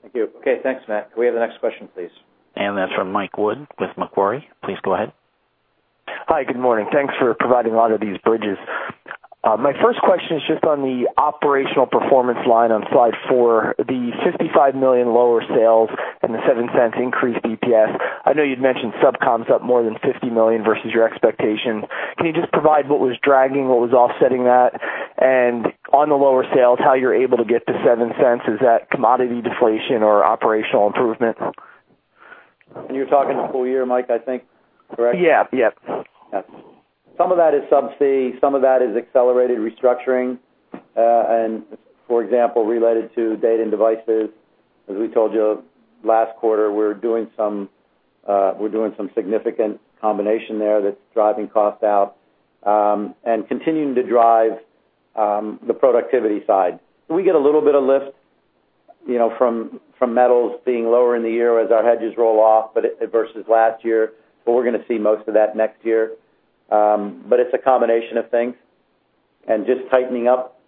Thank you. Okay, thanks, Matt. Can we have the next question, please? That's from Mike Wood with Macquarie. Please go ahead. Hi, good morning. Thanks for providing a lot of these bridges. My first question is just on the operational performance line on slide 4, the $55 million lower sales and the $0.07 increased EPS. I know you'd mentioned SubCom's up more than $50 million versus your expectations. Can you just provide what was dragging, what was offsetting that? And on the lower sales, how you're able to get to $0.07, is that commodity deflation or operational improvement? You're talking the full year, Mike, I think, correct? Yeah. Yep. Some of that is subsea, some of that is accelerated restructuring, and for example, related to Data and Devices. As we told you last quarter, we're doing some, we're doing some significant combination there that's driving costs out, and continuing to drive, the productivity side. We get a little bit of lift, you know, from metals being lower in the year as our hedges roll off, but it-- versus last year, but we're gonna see most of that next year. But it's a combination of things and just tightening up.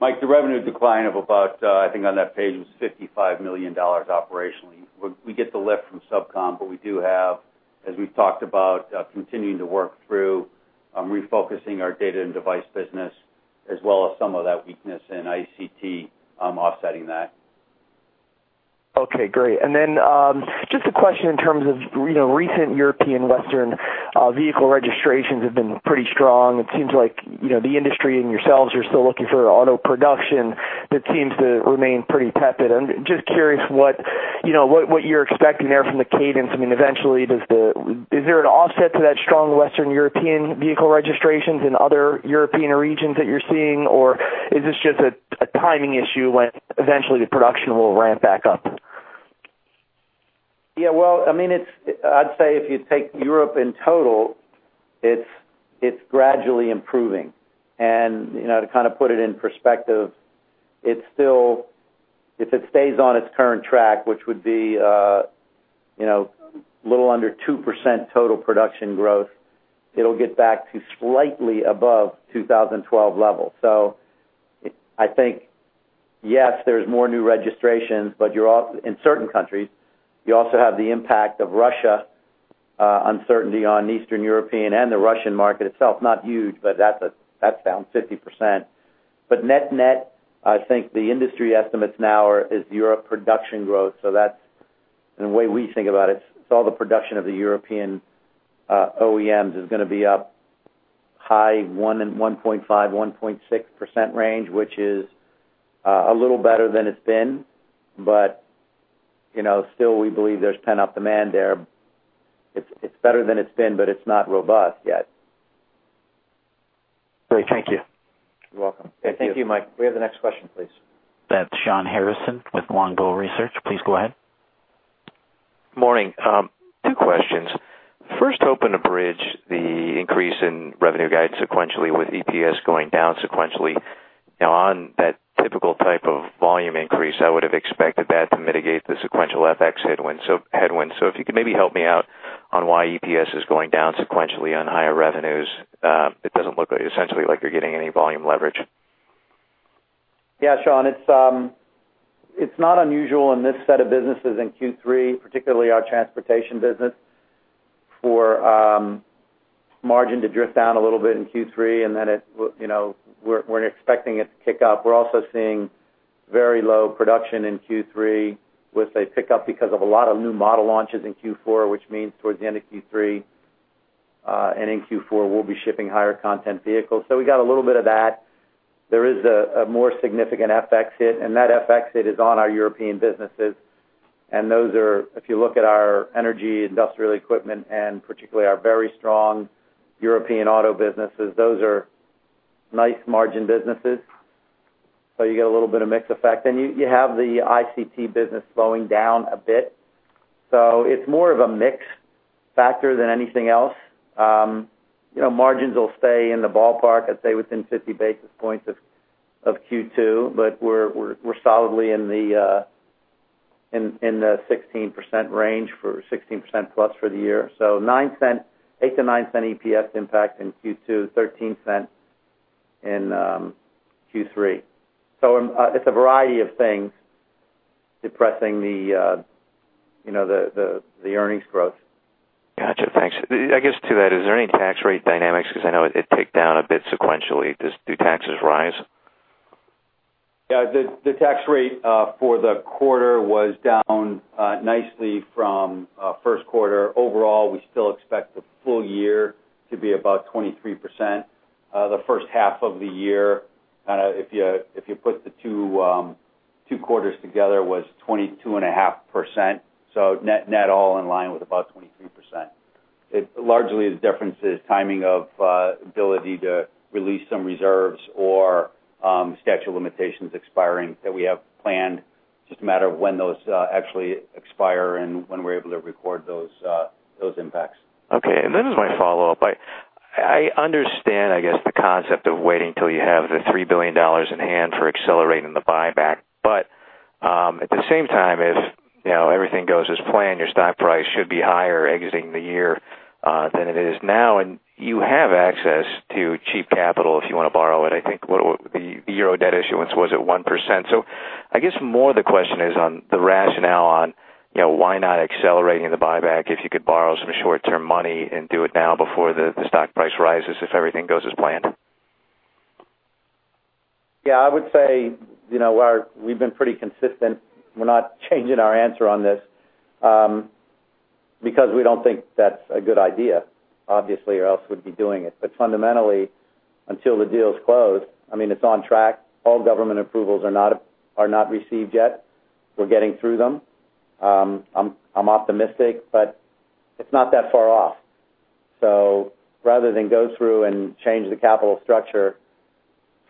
Mike, the revenue decline of about, I think on that page was $55 million operationally. We, we get the lift from SubCom, but we do have, as we've talked about, continuing to work through refocusing our data and device business, as well as some of that weakness in ICT, offsetting that. Okay, great. And then, just a question in terms of, you know, recent Western European vehicle registrations have been pretty strong. It seems like, you know, the industry and yourselves are still looking for auto production that seems to remain pretty tepid. I'm just curious what, you know, you're expecting there from the cadence. I mean, eventually, is there an offset to that strong Western European vehicle registrations in other European regions that you're seeing? Or is this just a timing issue when eventually the production will ramp back up? Yeah, well, I mean, it's I'd say if you take Europe in total, it's, it's gradually improving. And, you know, to kind of put it in perspective, it's still... If it stays on its current track, which would be, you know, a little under 2% total production growth, it'll get back to slightly above 2012 levels. So I think, yes, there's more new registrations, but you're also in certain countries, you also have the impact of Russia uncertainty on Eastern Europe and the Russian market itself. Not huge, but that's a that's down 50%. But net-net, I think the industry estimates now are Europe production growth, so that's, and the way we think about it, it's all the production of the European OEMs is gonna be up high 1 and 1.5-1.6% range, which is a little better than it's been. But, you know, still, we believe there's pent-up demand there. It's better than it's been, but it's not robust yet. Great. Thank you. You're welcome. Thank you, Mike. We have the next question, please. That's Shawn Harrison with Longbow Research. Please go ahead. Morning. Two questions. First, open to bridge the increase in revenue guide sequentially with EPS going down sequentially. On that typical type of volume increase, I would have expected that to mitigate the sequential FX headwind, so headwinds. So if you could maybe help me out on why EPS is going down sequentially on higher revenues, it doesn't look like, essentially, like you're getting any volume leverage. Yeah, Shawn, it's not unusual in this set of businesses in Q3, particularly our transportation business, for margin to drift down a little bit in Q3, and then it, you know, we're expecting it to kick up. We're also seeing very low production in Q3, with a pickup because of a lot of new model launches in Q4, which means towards the end of Q3 and in Q4, we'll be shipping higher content vehicles. So we got a little bit of that. There is a more significant FX hit, and that FX hit is on our European businesses. And those are, if you look at our energy, industrial equipment, and particularly our very strong European auto businesses, those are nice margin businesses. So you get a little bit of mix effect. Then you have the ICT business slowing down a bit. So it's more of a mix factor than anything else. You know, margins will stay in the ballpark, I'd say within 50 basis points of Q2, but we're solidly in the 16% range for 16%+ for the year. So $0.08-$0.09 EPS impact in Q2, $0.13 in Q3. So it's a variety of things depressing the you know, the earnings growth. Gotcha, thanks. I guess to that, is there any tax rate dynamics? Because I know it ticked down a bit sequentially. Do taxes rise? Yeah, the tax rate for the quarter was down nicely from Q1. Overall, we still expect the full year to be about 23%. The first half of the year, if you put the two quarters together, was 22.5%. So net-net, all in line with about 23%. It largely the difference is timing of ability to release some reserves or statute of limitations expiring that we have planned. Just a matter of when those actually expire and when we're able to record those impacts. Okay, and this is my follow-up. I understand, I guess, the concept of waiting till you have the $3 billion in hand for accelerating the buyback. But at the same time, if, you know, everything goes as planned, your stock price should be higher exiting the year than it is now, and you have access to cheap capital if you want to borrow it. I think what it was, the EUR debt issuance was at 1%. So I guess more of the question is on the rationale on, you know, why not accelerating the buyback if you could borrow some short-term money and do it now before the stock price rises, if everything goes as planned? Yeah, I would say, you know, we've been pretty consistent. We're not changing our answer on this, because we don't think that's a good idea, obviously, or else we'd be doing it. But fundamentally, until the deal is closed, I mean, it's on track. All government approvals are not received yet. We're getting through them. I'm optimistic, but it's not that far off. So rather than go through and change the capital structure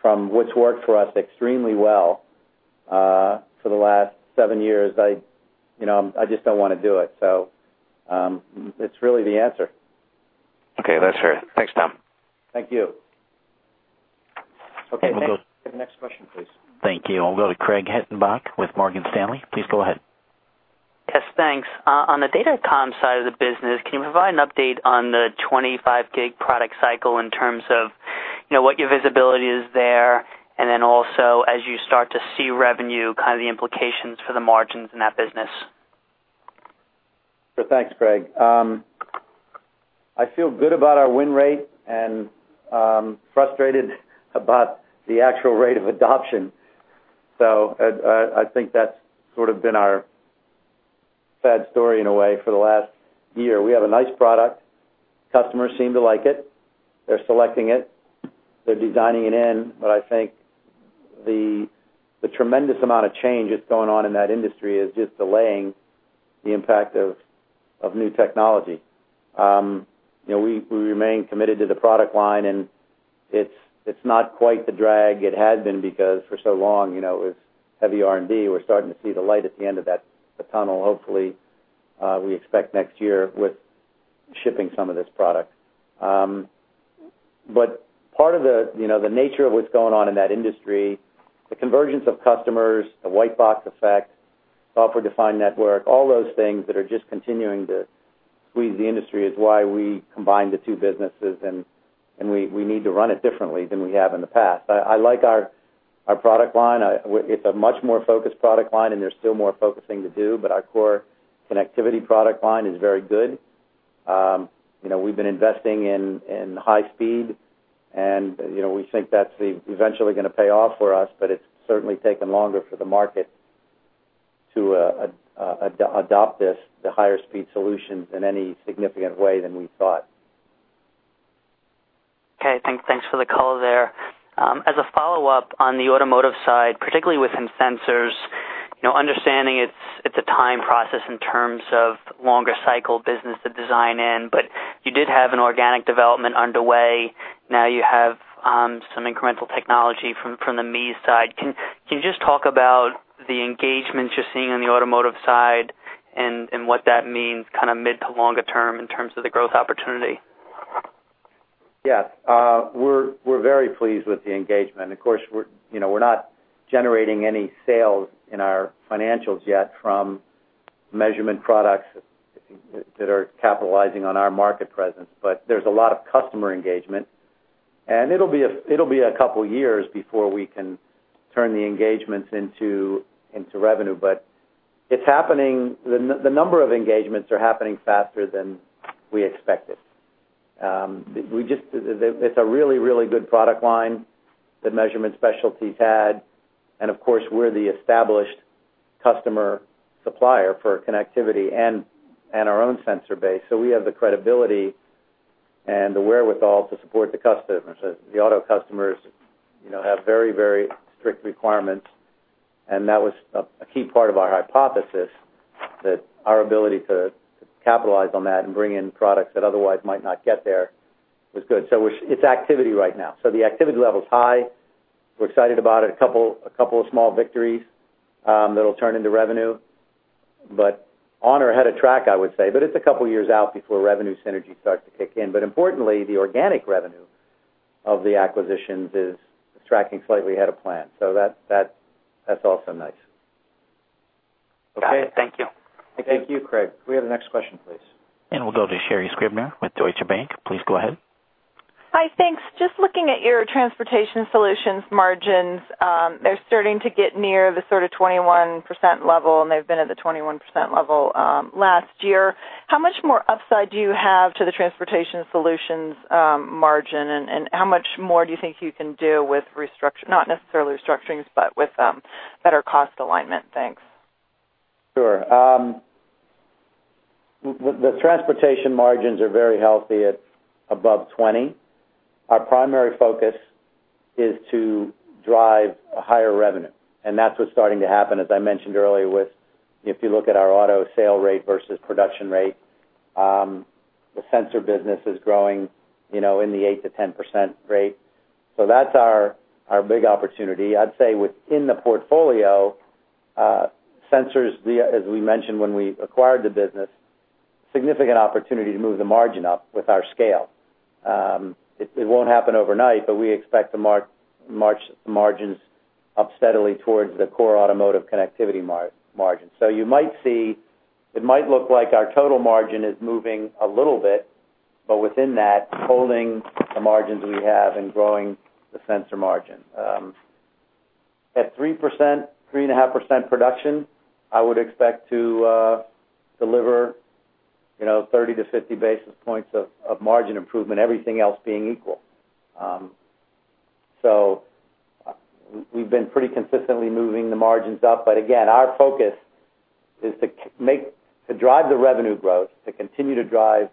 from which worked for us extremely well, for the last seven years, I, you know, I just don't wanna do it. So, it's really the answer. Okay, that's fair. Thanks, Tom. Thank you. Okay, next, the next question, please. Thank you. We'll go to Craig Hettenbach with Morgan Stanley. Please go ahead. Yes, thanks. On the Datacom side of the business, can you provide an update on the 25 gig product cycle in terms of, you know, what your visibility is there? And then also, as you start to see revenue, kind of the implications for the margins in that business. So thanks, Craig. I feel good about our win rate and frustrated about the actual rate of adoption. So I think that's sort of been our sad story in a way for the last year. We have a nice product. Customers seem to like it. They're selecting it. They're designing it in, but I think the tremendous amount of change that's going on in that industry is just delaying the impact of new technology. You know, we remain committed to the product line, and it's not quite the drag it had been, because for so long, you know, it was heavy R&D. We're starting to see the light at the end of that tunnel. Hopefully, we expect next year with shipping some of this product. But part of the, you know, the nature of what's going on in that industry, the convergence of customers, the white box effect, software-defined network, all those things that are just continuing to squeeze the industry is why we combined the two businesses, and we need to run it differently than we have in the past. I like our product line. It's a much more focused product line, and there's still more focusing to do, but our core connectivity product line is very good. You know, we've been investing in high speed, and, you know, we think that's eventually gonna pay off for us, but it's certainly taken longer for the market to adopt this, the higher speed solutions, in any significant way than we thought. Okay, thanks for the call there. As a follow-up, on the automotive side, particularly within sensors, you know, understanding it's a time process in terms of longer cycle business to design in, but you did have an organic development underway. Now you have some incremental technology from the Meas side. Can you just talk about the engagements you're seeing on the automotive side, and what that means, kind of mid to longer term in terms of the growth opportunity? Yes. We're, we're very pleased with the engagement. Of course, we're, you know, we're not generating any sales in our financials yet from measurement products that are capitalizing on our market presence, but there's a lot of customer engagement, and it'll be a, it'll be a couple of years before we can turn the engagements into, into revenue, but it's happening. The, the number of engagements are happening faster than we expected. We just. It's a really, really good product line that Measurement Specialties had, and of course, we're the established customer supplier for connectivity and, and our own sensor base. So we have the credibility and the wherewithal to support the customers. The auto customers, you know, have very, very strict requirements, and that was a key part of our hypothesis, that our ability to capitalize on that and bring in products that otherwise might not get there was good. So we're. It's activity right now. So the activity level is high. We're excited about it. A couple, a couple of small victories, that'll turn into revenue, but on or ahead of track, I would say, but it's a couple of years out before revenue synergy starts to kick in. But importantly, the organic revenue of the acquisitions is tracking slightly ahead of plan, so that, that's also nice. Got it. Thank you. Thank you, Craig. Can we have the next question, please? We'll go to Sherri Scribner with Deutsche Bank. Please go ahead. Hi, thanks. Just looking at your transportation solutions margins, they're starting to get near the sort of 21% level, and they've been at the 21% level last year. How much more upside do you have to the transportation solutions margin, and how much more do you think you can do with restructure- not necessarily restructurings, but with better cost alignment? Thanks. Sure. The transportation margins are very healthy at above 20. Our primary focus is to drive a higher revenue, and that's what's starting to happen, as I mentioned earlier, with if you look at our auto sale rate versus production rate, the sensor business is growing, you know, in the 8%-10% rate. So that's our big opportunity. I'd say within the portfolio, sensors, as we mentioned when we acquired the business, significant opportunity to move the margin up with our scale. It won't happen overnight, but we expect the margins to march up steadily towards the core automotive connectivity margin. So you might see, it might look like our total margin is moving a little bit, but within that, holding the margins we have and growing the sensor margin. At 3%, 3.5% production, I would expect to deliver, you know, 30-50 basis points of margin improvement, everything else being equal. We've been pretty consistently moving the margins up. But again, our focus is to drive the revenue growth, to continue to drive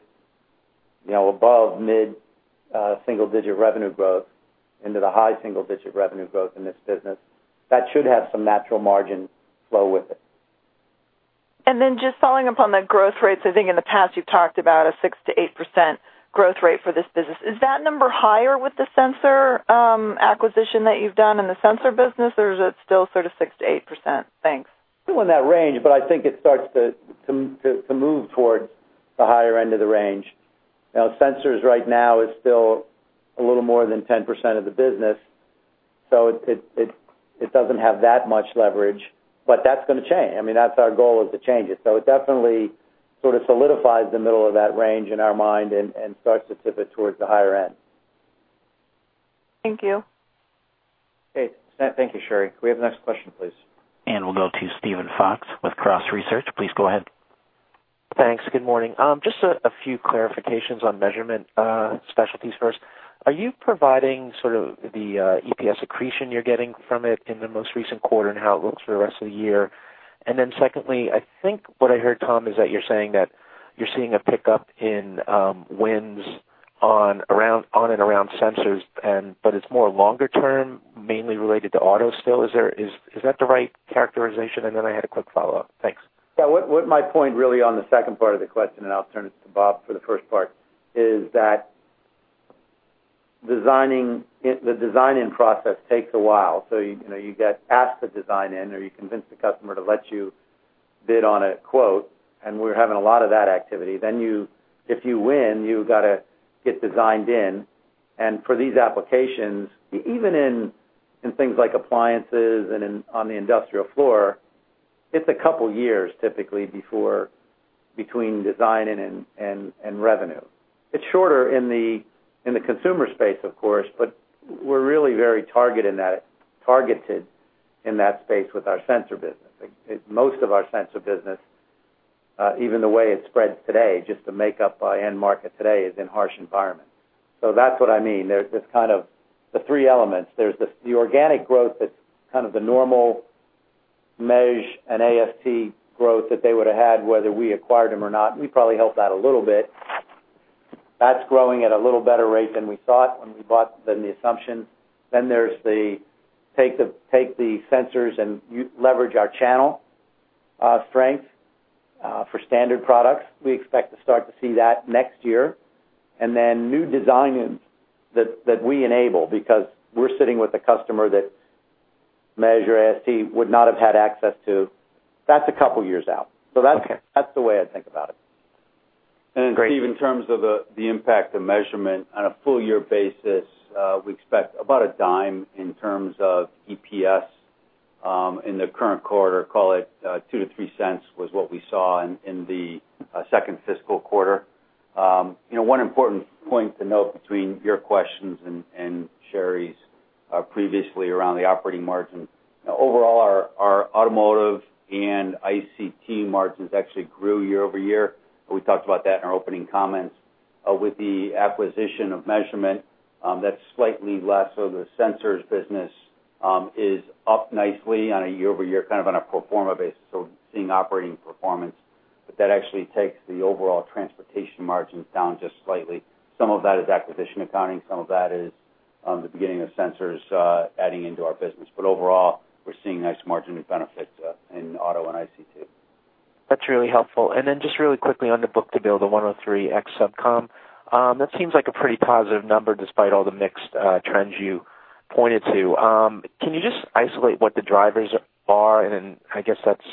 you know, above mid single-digit revenue growth into the high single-digit revenue growth in this business, that should have some natural margin flow with it. Then, just following up on the growth rates, I think in the past, you've talked about a 6%-8% growth rate for this business. Is that number higher with the sensor acquisition that you've done in the sensor business, or is it still sort of 6%-8%? Thanks. Still in that range, but I think it starts to move towards the higher end of the range. Now, Sensors right now is still a little more than 10% of the business, so it doesn't have that much leverage, but that's gonna change. I mean, that's our goal, is to change it. So it definitely sort of solidifies the middle of that range in our mind and starts to tip it towards the higher end. Thank you. Okay. Thank you, Sherry. Can we have the next question, please? We'll go to Steven Fox with Cross Research. Please go ahead. Thanks. Good morning. Just a few clarifications on Measurement Specialties first. Are you providing sort of the EPS accretion you're getting from it in the most recent quarter and how it looks for the rest of the year? And then secondly, I think what I heard, Tom, is that you're saying that you're seeing a pickup in wins on and around sensors, and but it's more longer term, mainly related to auto still. Is that the right characterization? And then I had a quick follow-up. Thanks. Yeah. What my point really on the second part of the question, and I'll turn it to Bob for the first part, is that the design-in process takes a while. So you know, you get asked to design-in or you convince the customer to let you bid on a quote, and we're having a lot of that activity. Then you, if you win, you've got to get designed in. And for these applications, even in things like appliances and on the industrial floor, it's a couple of years typically before between design and revenue. It's shorter in the consumer space, of course, but we're really very targeted in that, targeted in that space with our sensor business. Most of our sensor business, even the way it spreads today, just the makeup by end market today, is in harsh environments. So that's what I mean. There's this kind of the three elements. There's the organic growth, that's kind of the normal Mej and AST growth that they would have had whether we acquired them or not. We probably helped that a little bit. That's growing at a little better rate than we thought when we bought than the assumption. Then there's the take the sensors and leverage our channel strength for standard products. We expect to start to see that next year. And then new design-ins that we enable because we're sitting with a customer that Measure AST would not have had access to. That's a couple of years out. Okay. That's, that's the way I think about it. Great. Then, Steve, in terms of the impact of Measurement on a full year basis, we expect about $0.10 in terms of EPS in the current quarter. Call it $0.02-$0.03 was what we saw in the second fiscal quarter. You know, one important point to note between your questions and Sherry's previously around the operating margin. Overall, our automotive and ICT margins actually grew year-over-year, but we talked about that in our opening comments. With the acquisition of Measurement, that's slightly less. So the sensors business is up nicely on a year-over-year, kind of on a pro forma basis, so seeing operating performance. But that actually takes the overall transportation margins down just slightly. Some of that is acquisition accounting, some of that is, the beginning of sensors, adding into our business. But overall, we're seeing nice margin of benefits, in auto and ICT. That's really helpful. And then just really quickly on the book-to-bill, the 1.03x SubCom. That seems like a pretty positive number, despite all the mixed trends you pointed to. Can you just isolate what the drivers are? And then I guess that's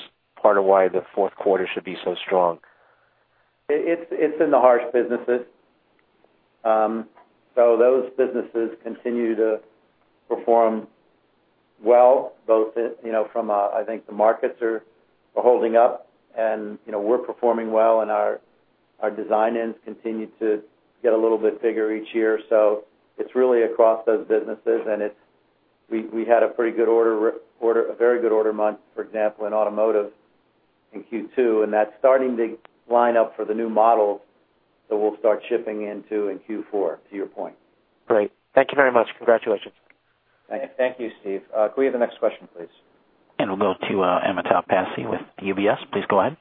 part of why the Q4 should be so strong. It's in the harsh businesses. So those businesses continue to perform well, both you know from a, I think the markets are holding up and, you know, we're performing well, and our design ends continue to get a little bit bigger each year. So it's really across those businesses, and it's. We had a pretty good order, a very good order month, for example, in automotive in Q2, and that's starting to line up for the new model that we'll start shipping into in Q4, to your point. Great. Thank you very much. Congratulations. Thank you, Steve. Can we have the next question, please? We'll go to Amitabh Passi with UBS. Please go ahead.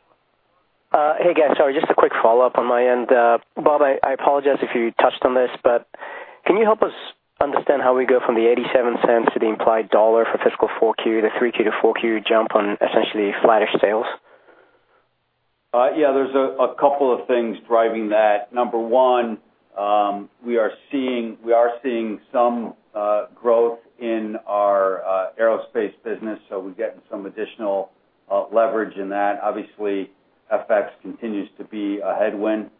Hey, guys. Sorry, just a quick follow-up on my end. Bob, I, I apologize if you touched on this, but can you help us understand how we go from the $0.87 to the implied $1 for fiscal 4Q, the 3Q to 4Q jump on essentially flattish sales? Yeah, there's a couple of things driving that. Number one, we are seeing some growth in our aerospace business, so we're getting some additional leverage in that. Obviously, FX continues to be a headwind,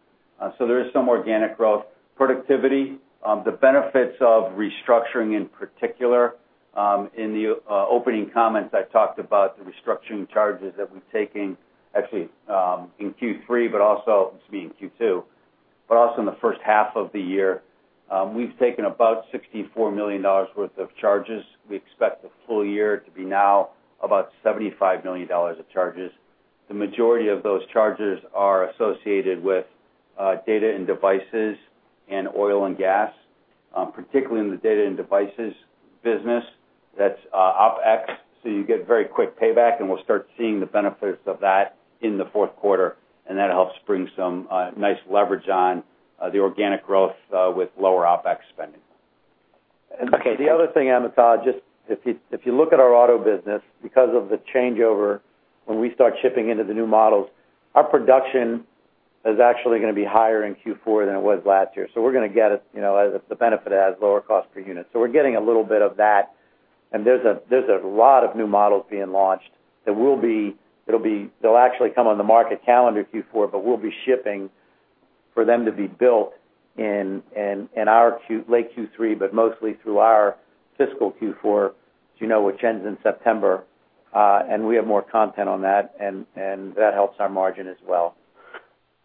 so there is some organic growth. Productivity, the benefits of restructuring, in particular, in the opening comments, I talked about the restructuring charges that we've taken, actually, in Q3, but also. Excuse me, in Q2, but also in the first half of the year. We've taken about $64 million worth of charges. We expect the full year to be now about $75 million of charges. The majority of those charges are associated with Data and Devices and Oil and Gas. Particularly in the Data and Devices business, that's OpEx. So you get very quick payback, and we'll start seeing the benefits of that in the Q4, and that helps bring some nice leverage on the organic growth with lower OpEx spending. Okay- The other thing, Amitabh, just if you look at our auto business, because of the changeover, when we start shipping into the new models, our production is actually gonna be higher in Q4 than it was last year. So we're gonna get it, you know, as the benefit as lower cost per unit. So we're getting a little bit of that, and there's a lot of new models being launched that will be-- they'll actually come on the market calendar Q4, but we'll be shipping for them to be built in our late Q3, but mostly through our fiscal Q4, as you know, which ends in September. And we have more content on that, and that helps our margin as well.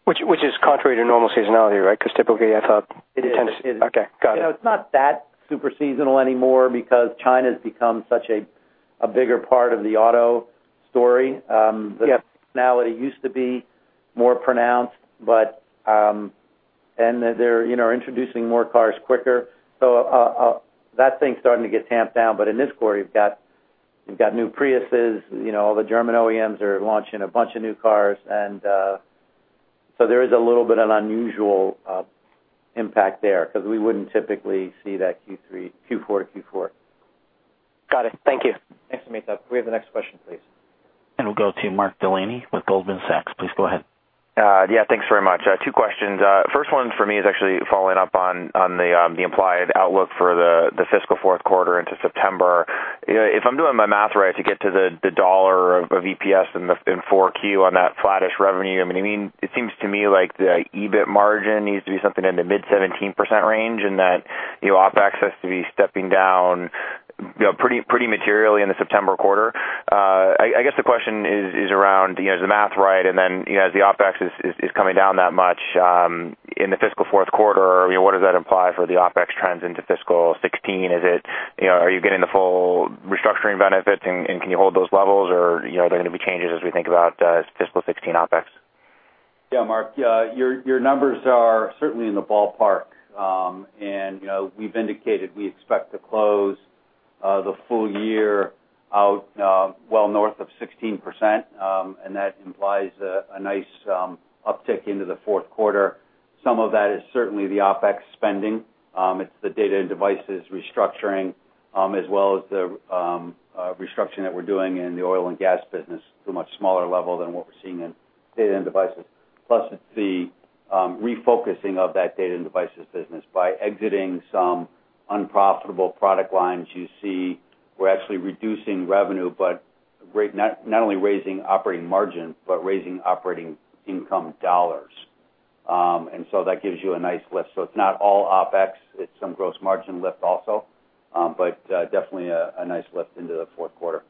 Which is contrary to normal seasonality, right? 'Cause typically, I thought- It is. Okay, got it. You know, it's not that super seasonal anymore because China's become such a bigger part of the auto story. Yep. The seasonality used to be more pronounced, but. And they're, you know, introducing more cars quicker. So, that thing's starting to get tamped down. But in this quarter, you've got, you've got new Priuses, you know, all the German OEMs are launching a bunch of new cars. And, so there is a little bit of unusual impact there, 'cause we wouldn't typically see that Q3, Q4 to Q4. Got it. Thank you. Thanks, Amit. Can we have the next question, please? We'll go to Mark Delaney with Goldman Sachs. Please go ahead. Yeah, thanks very much. Two questions. First one for me is actually following up on the implied outlook for the fiscal Q4 into September. If I'm doing my math right, to get to the $1 of EPS in 4Q on that flattish revenue, I mean, I mean, it seems to me like the EBIT margin needs to be something in the mid-17% range, and that, you know, OpEx has to be stepping down, you know, pretty, pretty materially in the September quarter. I guess the question is around, you know, is the math right? And then, you know, as the OpEx is coming down that much in the fiscal Q4, what does that imply for the OpEx trends into fiscal 2016? Is it, you know, are you getting the full restructuring benefits, and, and can you hold those levels? Or, you know, are there gonna be changes as we think about fiscal 2016 OpEx? Yeah, Mark, your numbers are certainly in the ballpark. And, you know, we've indicated we expect to close the full year out well north of 16%, and that implies a nice uptick into the Q4. Some of that is certainly the OpEx spending. It's the Data and Devices restructuring, as well as the restructuring that we're doing in the Oil and Gas business to a much smaller level than what we're seeing in Data and Devices. Plus, it's the refocusing of that Data and Devices business. By exiting some unprofitable product lines, you see we're actually reducing revenue, but not only raising operating margin, but raising operating income dollars. And so that gives you a nice lift. So it's not all OpEx, it's some gross margin lift also, but definitely a nice lift into the Q4. Okay.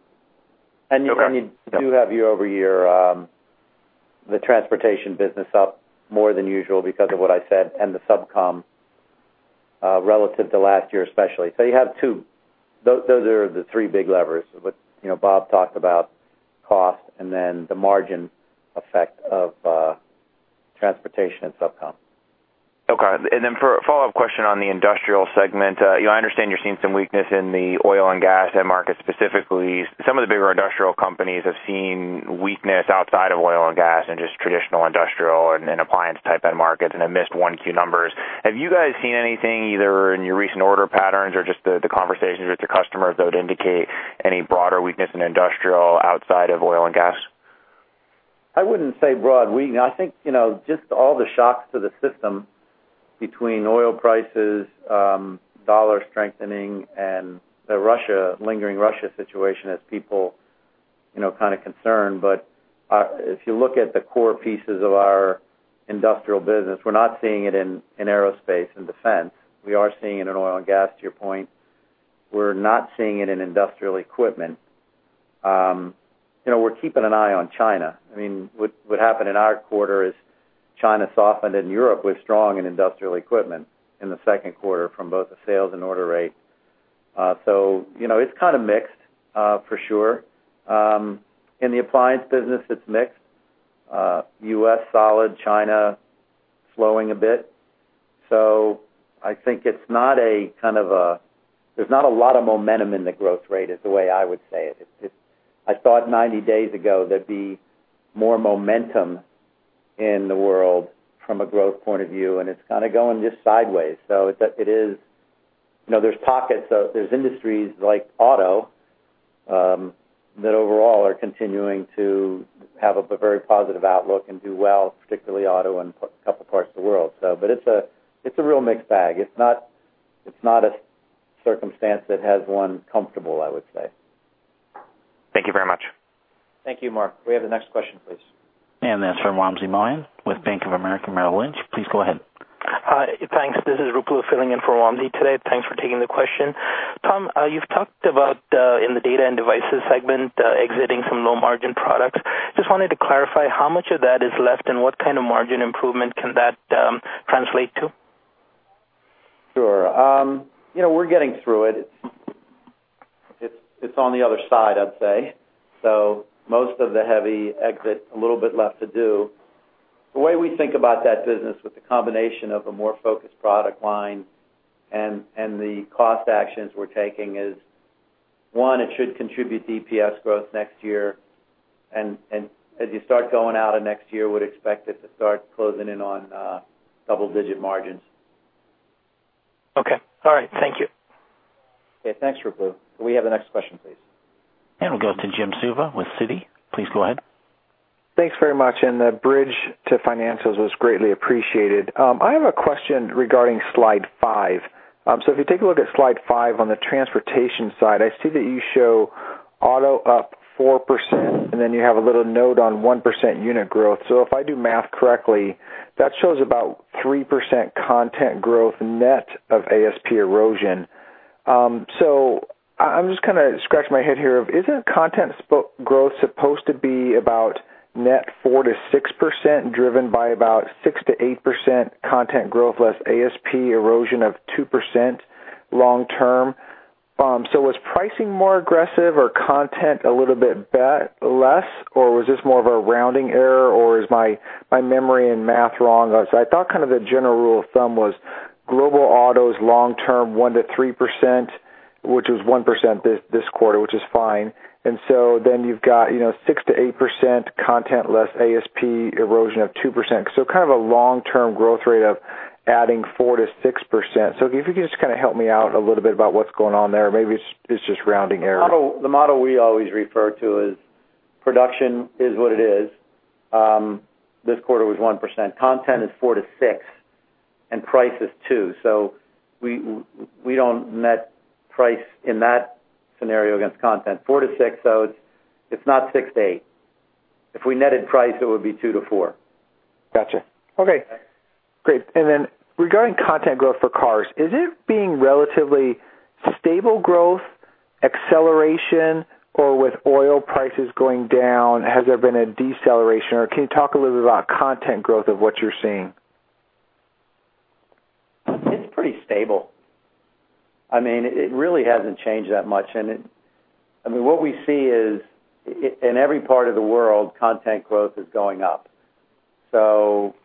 And you do have year over year, the transportation business up more than usual because of what I said, and the SubCom, relative to last year, especially. So you have two. Those, those are the three big levers. But, you know, Bob talked about cost and then the margin effect of, transportation and SubCom. Okay. And then for a follow-up question on the industrial segment. I understand you're seeing some weakness in the Oil and Gas end market specifically. Some of the bigger industrial companies have seen weakness outside of Oil and Gas and just traditional industrial and appliance type end markets and have missed 1Q numbers. Have you guys seen anything, either in your recent order patterns or just the conversations with your customers, that would indicate any broader weakness in industrial outside of Oil and Gas? I wouldn't say broad weakness. I think, you know, just all the shocks to the system between oil prices, dollar strengthening, and the Russia, lingering Russia situation has people, you know, kind of concerned. But, if you look at the core pieces of our industrial business, we're not seeing it in aerospace and defense. We are seeing it in Oil and Gas, to your point. We're not seeing it in industrial equipment. You know, we're keeping an eye on China. I mean, what happened in our quarter is China softened and Europe was strong in industrial equipment in the Q2 from both the sales and order rate. So you know, it's kind of mixed, for sure. In the appliance business, it's mixed. U.S., solid, China, slowing a bit. So I think there's not a lot of momentum in the growth rate, is the way I would say it. It's. I thought 90 days ago, there'd be more momentum in the world from a growth point of view, and it's kind of going just sideways. So it is. You know, there's pockets, there's industries like auto that overall are continuing to have a very positive outlook and do well, particularly auto in a couple parts of the world. So, but it's a real mixed bag. It's not a circumstance that makes one comfortable, I would say. Thank you very much. Thank you, Mark. Can we have the next question, please? That's from Wamsi Mohan with Bank of America Merrill Lynch. Please go ahead. Hi. Thanks. This is Ruplu filling in for Wamsi today. Thanks for taking the question. Tom, you've talked about, in the Data and Devices segment, exiting some low-margin products. Just wanted to clarify how much of that is left, and what kind of margin improvement can that translate to? Sure. You know, we're getting through it. It's on the other side, I'd say. So most of the heavy exit, a little bit left to do. The way we think about that business with the combination of a more focused product line and the cost actions we're taking is, one, it should contribute to EPS growth next year. And as you start going out of next year, would expect it to start closing in on double-digit margins. Okay. All right. Thank you. Okay, thanks, Ruplu. Can we have the next question, please? We'll go to Jim Suva with Citi. Please go ahead. Thanks very much, and the bridge to financials was greatly appreciated. I have a question regarding slide five. So if you take a look at slide five on the transportation side, I see that you show auto up 4%, and then you have a little note on 1% unit growth. So if I do math correctly, that shows about 3% content growth net of ASP erosion. So I'm just kinda scratching my head here. Isn't content growth supposed to be about net 4%-6%, driven by about 6%-8% content growth, less ASP erosion of 2% long term? So was pricing more aggressive or content a little bit less, or was this more of a rounding error, or is my memory and math wrong? So I thought kind of the general rule of thumb was global autos long term, 1%-3%, which was 1% this, this quarter, which is fine. And so then you've got, you know, 6%-8% content, less ASP erosion of 2%. So kind of a long-term growth rate of adding 4%-6%. So if you could just kinda help me out a little bit about what's going on there. Maybe it's, it's just rounding error. The model, the model we always refer to is production is what it is. This quarter was 1%. Content is 4%-6%, and price is 2%. So we don't net price in that scenario against content. 4%-6%, so it's not 6% to 8%. If we netted price, it would be 2% to 4%. Gotcha. Okay, great. And then regarding content growth for cars, is it being relatively stable growth, acceleration, or with oil prices going down, has there been a deceleration? Or can you talk a little bit about content growth of what you're seeing? It's pretty stable. I mean, it really hasn't changed that much. And it, I mean, what we see is in every part of the world, content growth is going up. So,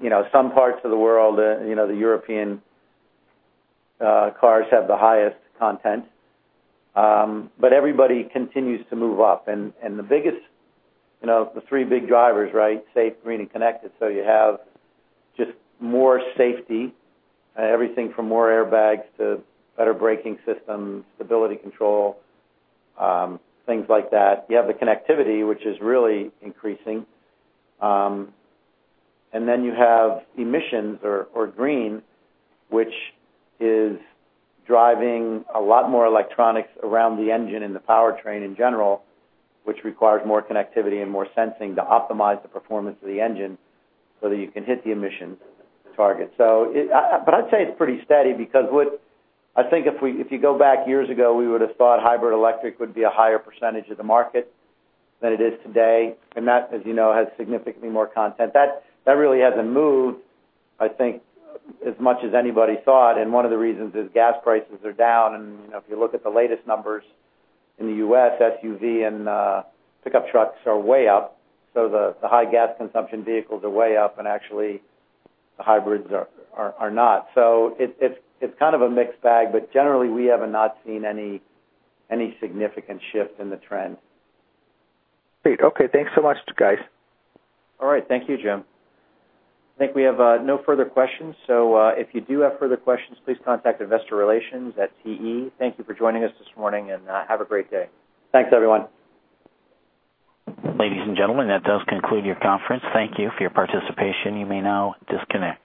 you know, some parts of the world, you know, the European cars have the highest content, but everybody continues to move up. And, and the biggest, you know, the three big drivers, right? Safe, green, and connected. So you have just more safety, everything from more airbags to better braking systems, stability control, things like that. You have the connectivity, which is really increasing. And then you have emissions or green, which is driving a lot more electronics around the engine and the powertrain in general, which requires more connectivity and more sensing to optimize the performance of the engine so that you can hit the emissions target. So it... But I'd say it's pretty steady because I think if you go back years ago, we would have thought hybrid electric would be a higher percentage of the market than it is today, and that, as you know, has significantly more content. That really hasn't moved, I think, as much as anybody thought, and one of the reasons is gas prices are down. And, you know, if you look at the latest numbers in the U.S., SUV and pickup trucks are way up, so the high gas consumption vehicles are way up, and actually, the hybrids are not. So it's kind of a mixed bag, but generally, we have not seen any significant shift in the trend. Great. Okay, thanks so much, guys. All right. Thank you, Jim. I think we have no further questions, so if you do have further questions, please contact Investor Relations at TE. Thank you for joining us this morning, and have a great day. Thanks, everyone. Ladies and gentlemen, that does conclude your conference. Thank you for your participation. You may now disconnect.